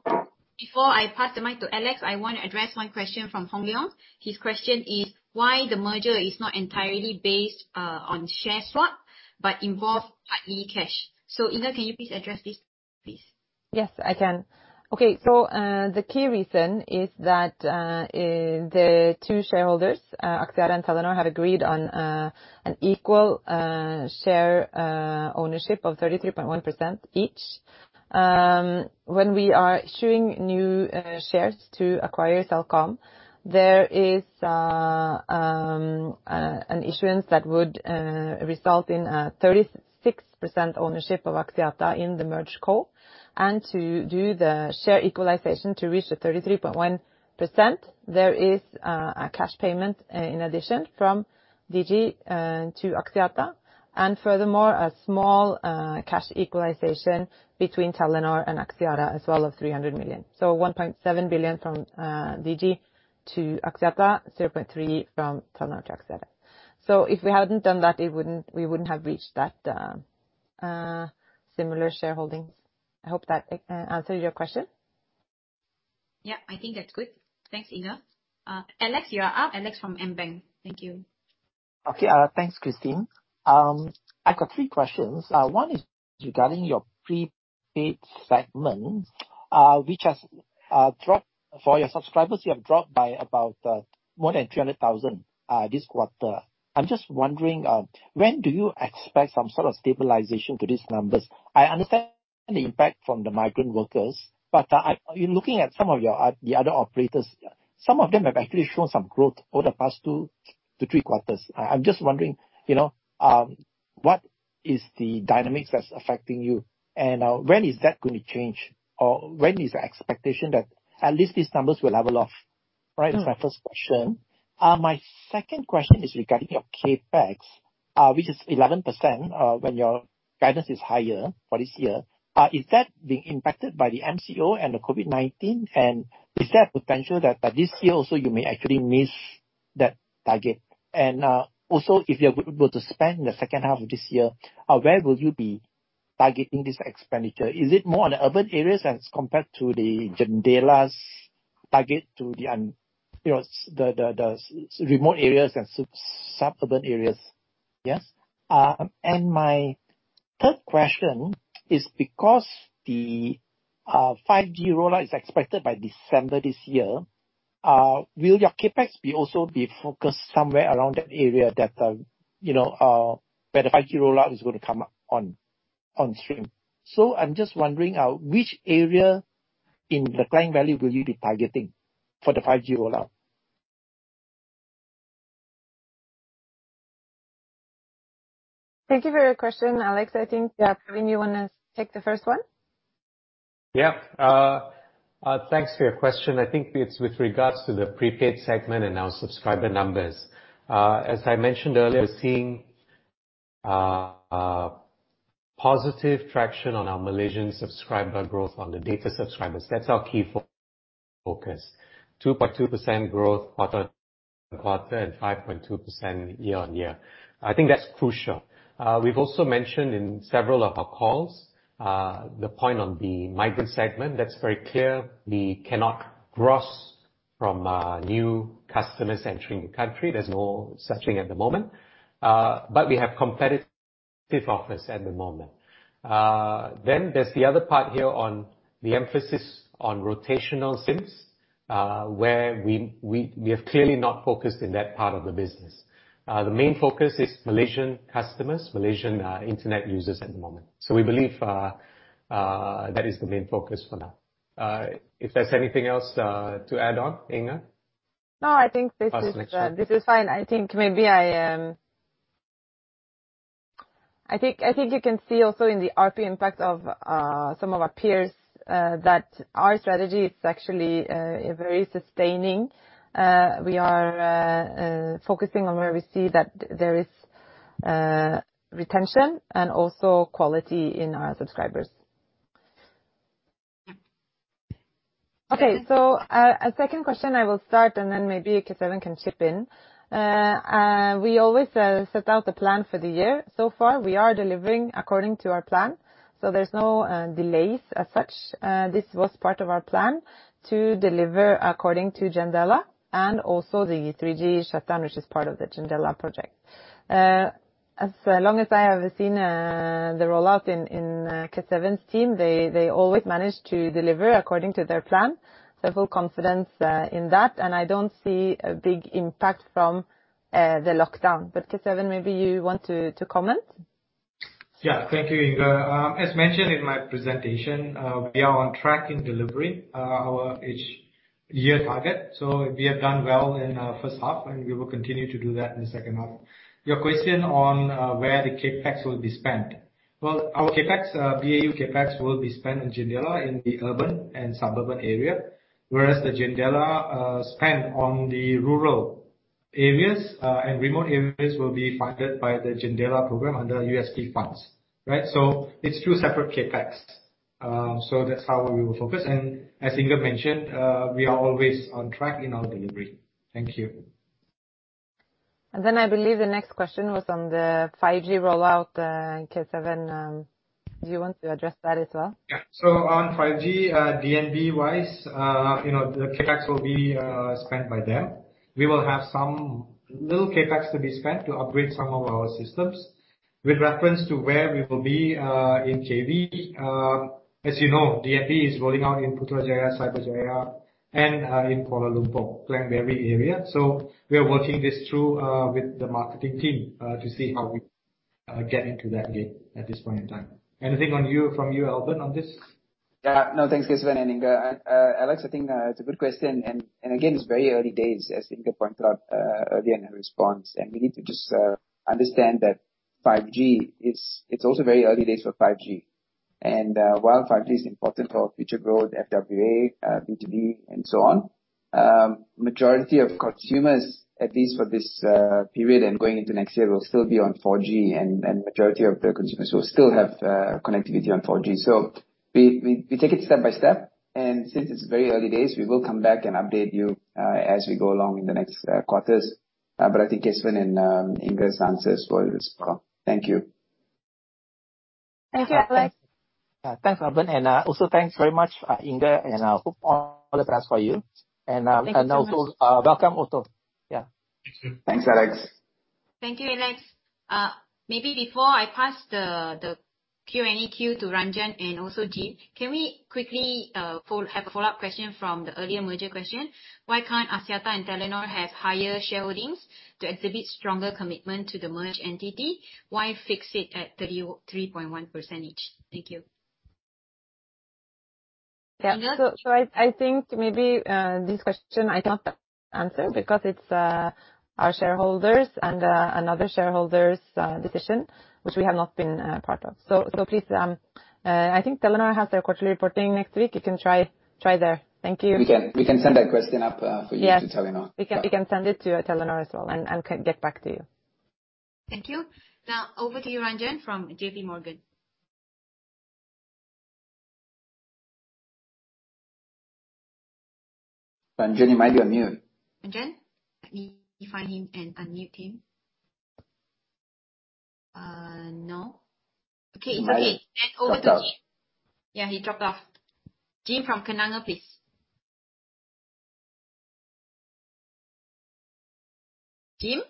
Before I pass the mic to Alex, I want to address one question from Hong Leong. His question is: Why the merger is not entirely based on share swap but involve part e-cash. Inger, can you please address this, please? Yes, I can. Okay. The key reason is that the two shareholders, Axiata and Telenor, had agreed on an equal share ownership of 33.1% each. When we are issuing new shares to acquire Celcom, there is an issuance that would result in a 36% ownership of Axiata in the merged co. To do the share equalization to reach the 33.1%, there is a cash payment, in addition from Digi to Axiata, and furthermore, a small cash equalization between Telenor and Axiata as well of 300 million. 1.7 billion from Digi to Axiata, 0.3 billion from Telenor to Axiata. If we hadn't done that, we wouldn't have reached that similar shareholdings. I hope that answered your question. Yeah, I think that's good. Thanks, Inger. Alex, you are up. Alex from AmBank. Thank you. Okay. Thanks, Christine. I've got three questions. One is regarding your prepaid segment, which has dropped for your subscribers, you have dropped by about more than 300,000 this quarter. I'm just wondering, when do you expect some sort of stabilization to these numbers? I understand the impact from the migrant workers, in looking at some of the other operators, some of them have actually shown some growth over the past two-three quarters. I'm just wondering, what is the dynamics that's affecting you? When is that going to change? When is the expectation that at least these numbers will level off? That is my first question. My second question is regarding your CapEx, which is 11%, when your guidance is higher for this year. Is that being impacted by the MCO and the COVID-19? Is there a potential that this year also you may actually miss that target? Also, if you're able to spend in the second half of this year, where will you be targeting this expenditure? Is it more on the urban areas as compared to the JENDELA's target to the remote areas and suburban areas? Yes. My third question is because the 5G rollout is expected by December this year, will your CapEx also be focused somewhere around that area where the 5G rollout is going to come up on stream? I'm just wondering, which area in the client value will you be targeting for the 5G rollout? Thank you for your question, Alex. I think, Praveen, you want to take the first one? Yeah. Thanks for your question. I think it's with regards to the prepaid segment and our subscriber numbers. As I mentioned earlier, we're seeing positive traction on our Malaysian subscriber growth on the data subscribers. That's our key focus. 2.2% growth quarter-on-quarter, and 5.2% year-on-year. I think that's crucial. We've also mentioned in several of our calls, the point on the migrant segment, that's very clear. We cannot gross from new customers entering the country. There's no such thing at the moment. We have competitive offers at the moment. There's the other part here on the emphasis on rotational SIMs, where we have clearly not focused in that part of the business. The main focus is Malaysian customers, Malaysian internet users at the moment. We believe that is the main focus for now. If there's anything else to add on, Inger? No, I think. I'll switch back. This is fine. I think you can see also in the ARPU impact of some of our peers, that our strategy is actually very sustaining. We are focusing on where we see that there is retention and also quality in our subscribers. Okay. A second question I will start, and then maybe Kesavan can chip in. We always set out a plan for the year. So far, we are delivering according to our plan. There's no delays as such. This was part of our plan to deliver according to JENDELA and also the 3G shutdown, which is part of the JENDELA project. As long as I have seen the rollout in Kesavan's team, they always manage to deliver according to their plan. I have full confidence in that, and I don't see a big impact from the lockdown. Kesavan, maybe you want to comment? Yeah, thank you, Inger. As mentioned in my presentation, we are on track in delivering our each year target. We have done well in our first half, and we will continue to do that in the second half. Your question on where the CapEx will be spent. Well, our CapEx, BAU CapEx will be spent in JENDELA in the urban and suburban area. Whereas the JENDELA spend on the rural areas and remote areas will be funded by the JENDELA program under USP Fund. It's two separate CapEx. That's how we will focus. As Inger mentioned, we are always on track in our delivery. Thank you. I believe the next question was on the 5G rollout, Kesavan. Do you want to address that as well? Yeah. On 5G, DNB-wise, the CapEx will be spent by them. We will have some little CapEx to be spent to upgrade some of our systems. With reference to where we will be, in KV. As you know, DNB is rolling out in Putrajaya, Cyberjaya, and in Kuala Lumpur, Klang Valley area. We are working this through with the marketing team to see how we get into that game at this point in time. Anything from you, Albern, on this? Yeah, no, thanks, Kesavan and Inger. Alex, I think it's a good question. Again, it's very early days, as Inger pointed out earlier in her response. We need to just understand that it's also very early days for 5G. While 5G is important for future growth, FWA, B2B, and so on, majority of consumers, at least for this period and going into next year, will still be on 4G, and majority of the consumers will still have connectivity on 4G. We take it step by step, and since it's very early days, we will come back and update you as we go along in the next quarters. I think Kesavan and Inger's answers were really strong. Thank you. Thank you, Alex. Thanks, Albern, and also thanks very much, Inger, and hope all the best for you. Thank you so much. Also welcome, Otto. Yeah. Thanks, Alex. Thank you, Alex. Before I pass the Q&A queue to Ranjan and also Jim, can we quickly have a follow-up question from the earlier merger question? Why can't Axiata and Telenor have higher shareholdings to exhibit stronger commitment to the merged entity? Why fix it at 33.1% each? Thank you. Inger? Yeah. I think maybe this question I can't answer because it's our shareholders and another shareholder's decision, which we have not been a part of. Please, I think Telenor has their quarterly reporting next week. You can try there. Thank you. We can send that question up for you- Yes. -to Telenor. We can send it to Telenor as well and get back to you. Thank you. Now over to you, Ranjan, from JPMorgan. Ranjan, you might be on mute. Ranjan? Let me find him and unmute him. No. Okay, it's okay. He might have dropped off. Over to Jim. Yeah, he dropped off. Jim from Kenanga, please. Jim?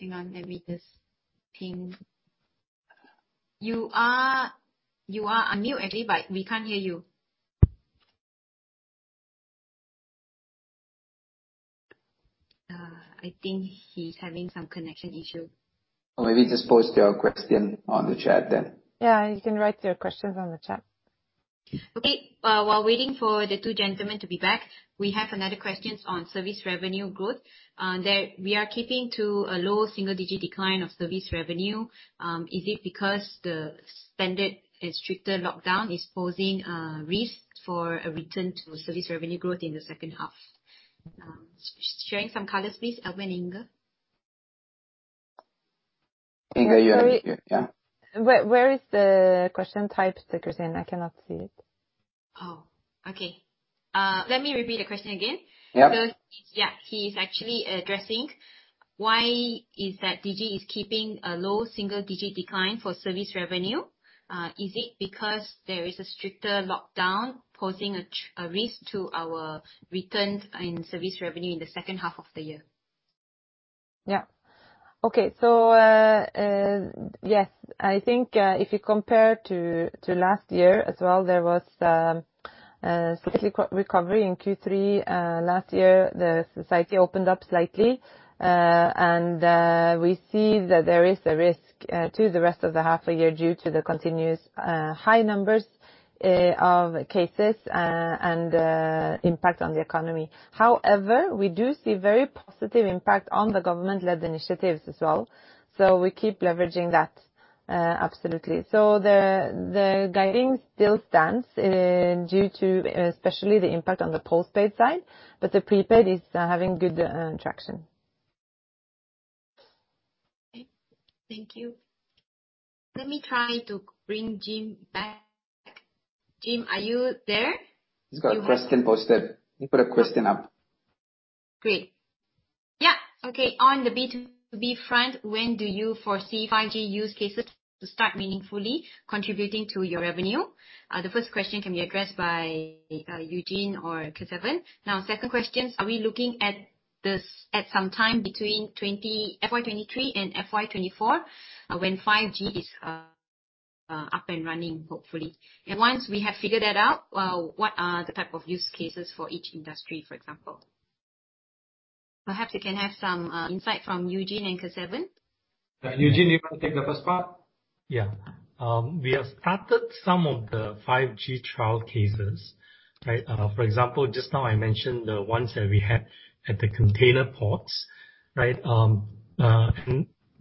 Hang on. Let me just pin. You are unmute, Eddie, but we can't hear you. I think he's having some connection issue. Maybe just post your question on the chat then. Yeah, you can write your questions on the chat. While waiting for the two gentlemen to be back, we have another question on service revenue growth, that we are keeping to a low single-digit decline of service revenue. Is it because the extended and stricter lockdown is posing a risk for a return to service revenue growth in the second half? Sharing some colors, please, Albern and Inger. Inger, you have it. Yeah. Where is the question typed, Christine? I cannot see it. Okay. Let me repeat the question again. Yep. Yeah. He's actually addressing why is that Digi is keeping a low single-digit decline for service revenue. Is it because there is a stricter lockdown posing a risk to our returns in service revenue in the second half of the year? Yeah. Okay. Yes. I think if you compare to last year as well, there was a slight recovery in Q3 last year. The society opened up slightly. We see that there is a risk to the rest of the half year due to the continuous high numbers of cases and impact on the economy. However, we do see very positive impact on the government-led initiatives as well. We keep leveraging that. Absolutely. The guiding still stands due to especially the impact on the postpaid side. The prepaid is having good traction. Okay. Thank you. Let me try to bring Jim back. Jim, are you there? He's got a question posted. He put a question up. Great. Yeah. Okay. On the B2B front, when do you foresee 5G use cases to start meaningfully contributing to your revenue? The first question can be addressed by Eugene or Kesavan. Second question, are we looking at some time between FY 2023 and FY 2024 when 5G is up and running, hopefully? Once we have figured that out, what are the type of use cases for each industry, for example? Perhaps we can have some insight from Eugene and Kesavan. Eugene, you want to take the first part? Yeah. We have started some of the 5G trial cases. For example, just now I mentioned the ones that we have at the container ports. Right.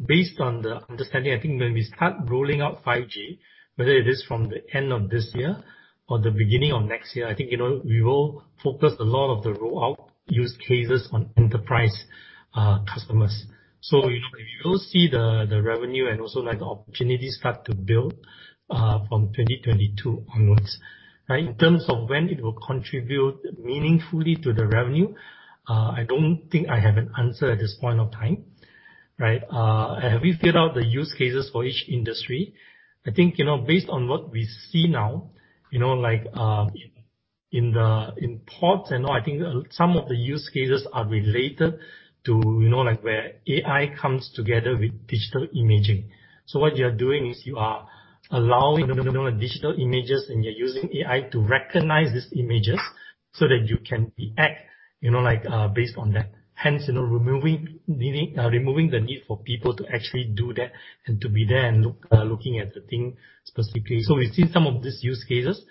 Based on the understanding, I think when we start rolling out 5G, whether it is from the end of this year or the beginning of next year, I think we will focus a lot of the rollout use cases on enterprise customers. We will see the revenue and also the opportunities start to build from 2022 onwards. Right, in terms of when it will contribute meaningfully to the revenue, I don't think I have an answer at this point in time. Right? Have we figured out the use cases for each industry? I think, based on what we see now, in parts, I think some of the use cases are related to where AI comes together with digital imaging. What you're doing is you are allowing digital images, and you're using AI to recognize these images so that you can react based on that. Removing the need for people to actually do that and to be there and looking at the thing specifically. We've seen some of these use cases.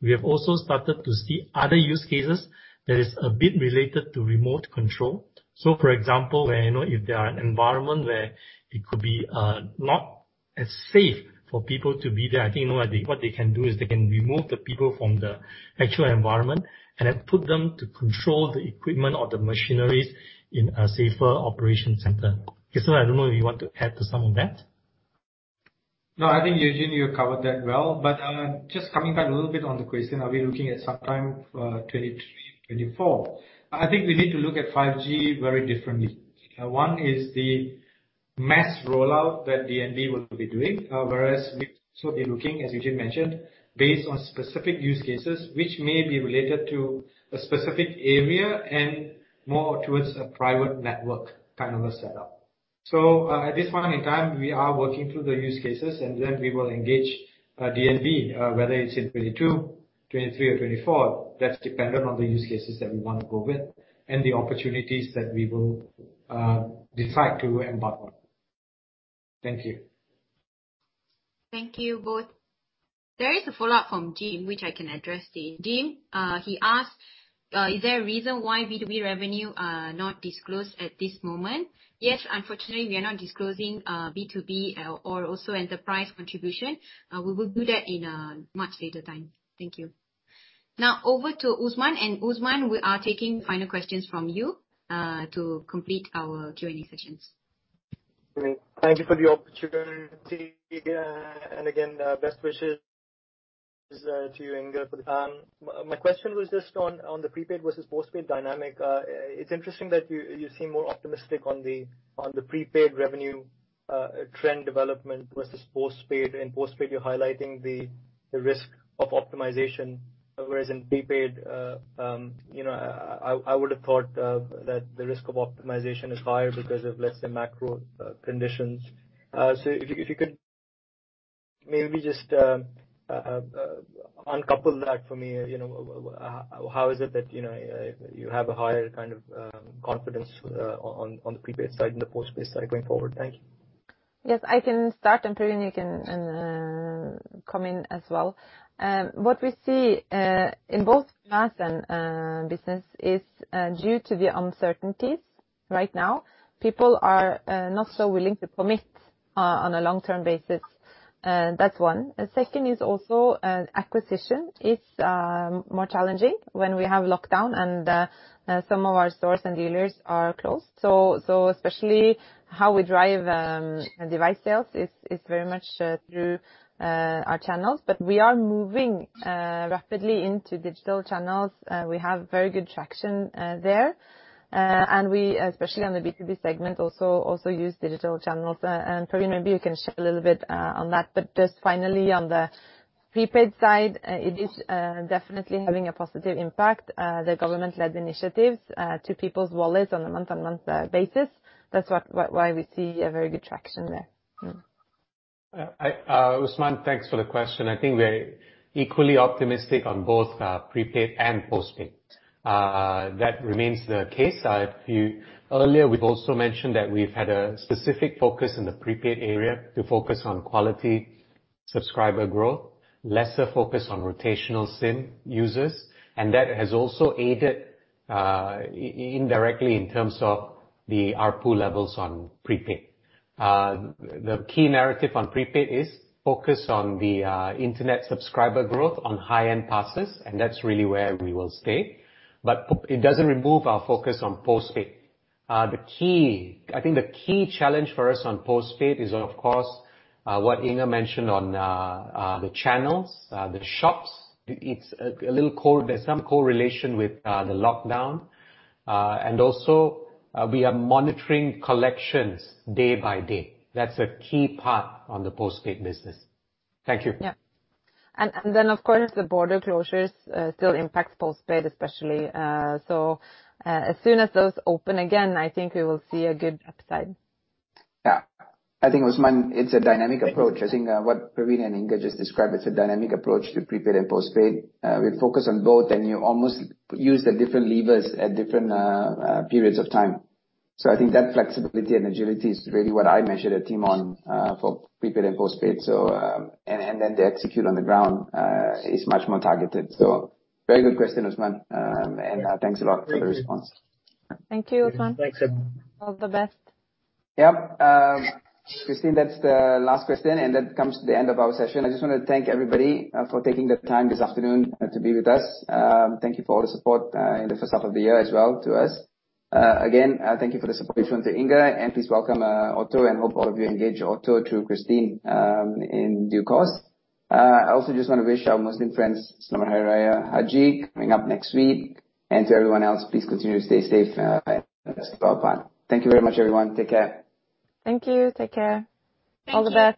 We have also started to see other use cases that is a bit related to remote control. For example, if there are environment where it could be not as safe for people to be there, I think what they can do is they can remove the people from the actual environment and then put them to control the equipment or the machinery in a safer operation center. Kesavan, I don't know if you want to add to some of that. I think, Eugene, you covered that well. Just coming back a little bit on the question, are we looking at some time, 2023, 2024? I think we need to look at 5G very differently. One is the mass rollout that DNB will be doing, whereas we'd also be looking, as Eugene mentioned, based on specific use cases, which may be related to a specific area and more towards a private network kind of a setup. At this point in time, we are working through the use cases, and then we will engage DNB, whether it's in 2022, 2023, or 2024. That's dependent on the use cases that we want to go with and the opportunities that we will decide to embark on. Thank you. Thank you both. There is a follow-up from Jim, which I can address here. Jim, he asked, "Is there a reason why B2B revenue not disclosed at this moment?" Yes, unfortunately, we are not disclosing B2B or also enterprise contribution. We will do that in a much later time. Thank you. Now over to Usman. Usman, we are taking final questions from you to complete our Q&A sessions. Great. Thank you for the opportunity. Again, best wishes to Inger for the time. My question was just on the prepaid versus postpaid dynamic. It is interesting that you seem more optimistic on the prepaid revenue trend development versus postpaid. In postpaid, you are highlighting the risk of optimization, whereas in prepaid, I would have thought that the risk of optimization is higher because of, let us say, macro conditions. If you could maybe just uncouple that for me. How is it that you have a higher kind of confidence on the prepaid side and the postpaid side going forward? Thank you. Yes, I can start, and Praveen, you can come in as well. What we see in both mass and business is due to the uncertainties right now, people are not so willing to commit on a long-term basis. That's one. The second is also acquisition is more challenging when we have lockdown and some of our stores and dealers are closed. Especially how we drive device sales is very much through our channels. We are moving rapidly into digital channels. We have very good traction there. We, especially on the B2B segment, also use digital channels. Praveen, maybe you can share a little bit on that. Just finally on the prepaid side, it is definitely having a positive impact, the government-led initiatives to people's wallets on a month-on-month basis. That's why we see a very good traction there. Usman, thanks for the question. I think we're equally optimistic on both prepaid and postpaid. That remains the case. Earlier, we've also mentioned that we've had a specific focus in the prepaid area to focus on quality subscriber growth, lesser focus on rotational SIM users, and that has also aided indirectly in terms of the ARPU levels on prepaid. The key narrative on prepaid is focus on the internet subscriber growth on high-end passes, and that's really where we will stay. It doesn't remove our focus on postpaid. I think the key challenge for us on postpaid is, of course, what Inger mentioned on the channels, the shops. There's some correlation with the lockdown. Also we are monitoring collections day by day. That's a key part of the postpaid business. Thank you. Yeah. Of course, the border closures still impact postpaid especially. As soon as those open again, I think we will see a good upside. Yeah. I think, Usman, it's a dynamic approach. I think what Praveen and Inger just described, it's a dynamic approach to prepaid and postpaid. We focus on both, and you almost use the different levers at different periods of time. I think that flexibility and agility is really what I measured a team on for prepaid and postpaid. They execute on the ground is much more targeted. Very good question, Usman, and thanks a lot for the response. Thank you, Usman. Thanks, Usman. All the best. Yep. Christine, that's the last question, and that comes to the end of our session. I just want to thank everybody for taking the time this afternoon to be with us. Thank you for all the support in the first half of the year as well to us. Again, thank you for the support shown to Inger, and please welcome Otto and hope all of you engage Otto through Christine in due course. I also just want to wish our Muslim friends Selamat Hari Raya Haji coming up next week. To everyone else, please continue to stay safe and best of luck. Thank you very much, everyone. Take care. Thank you. Take care. All the best.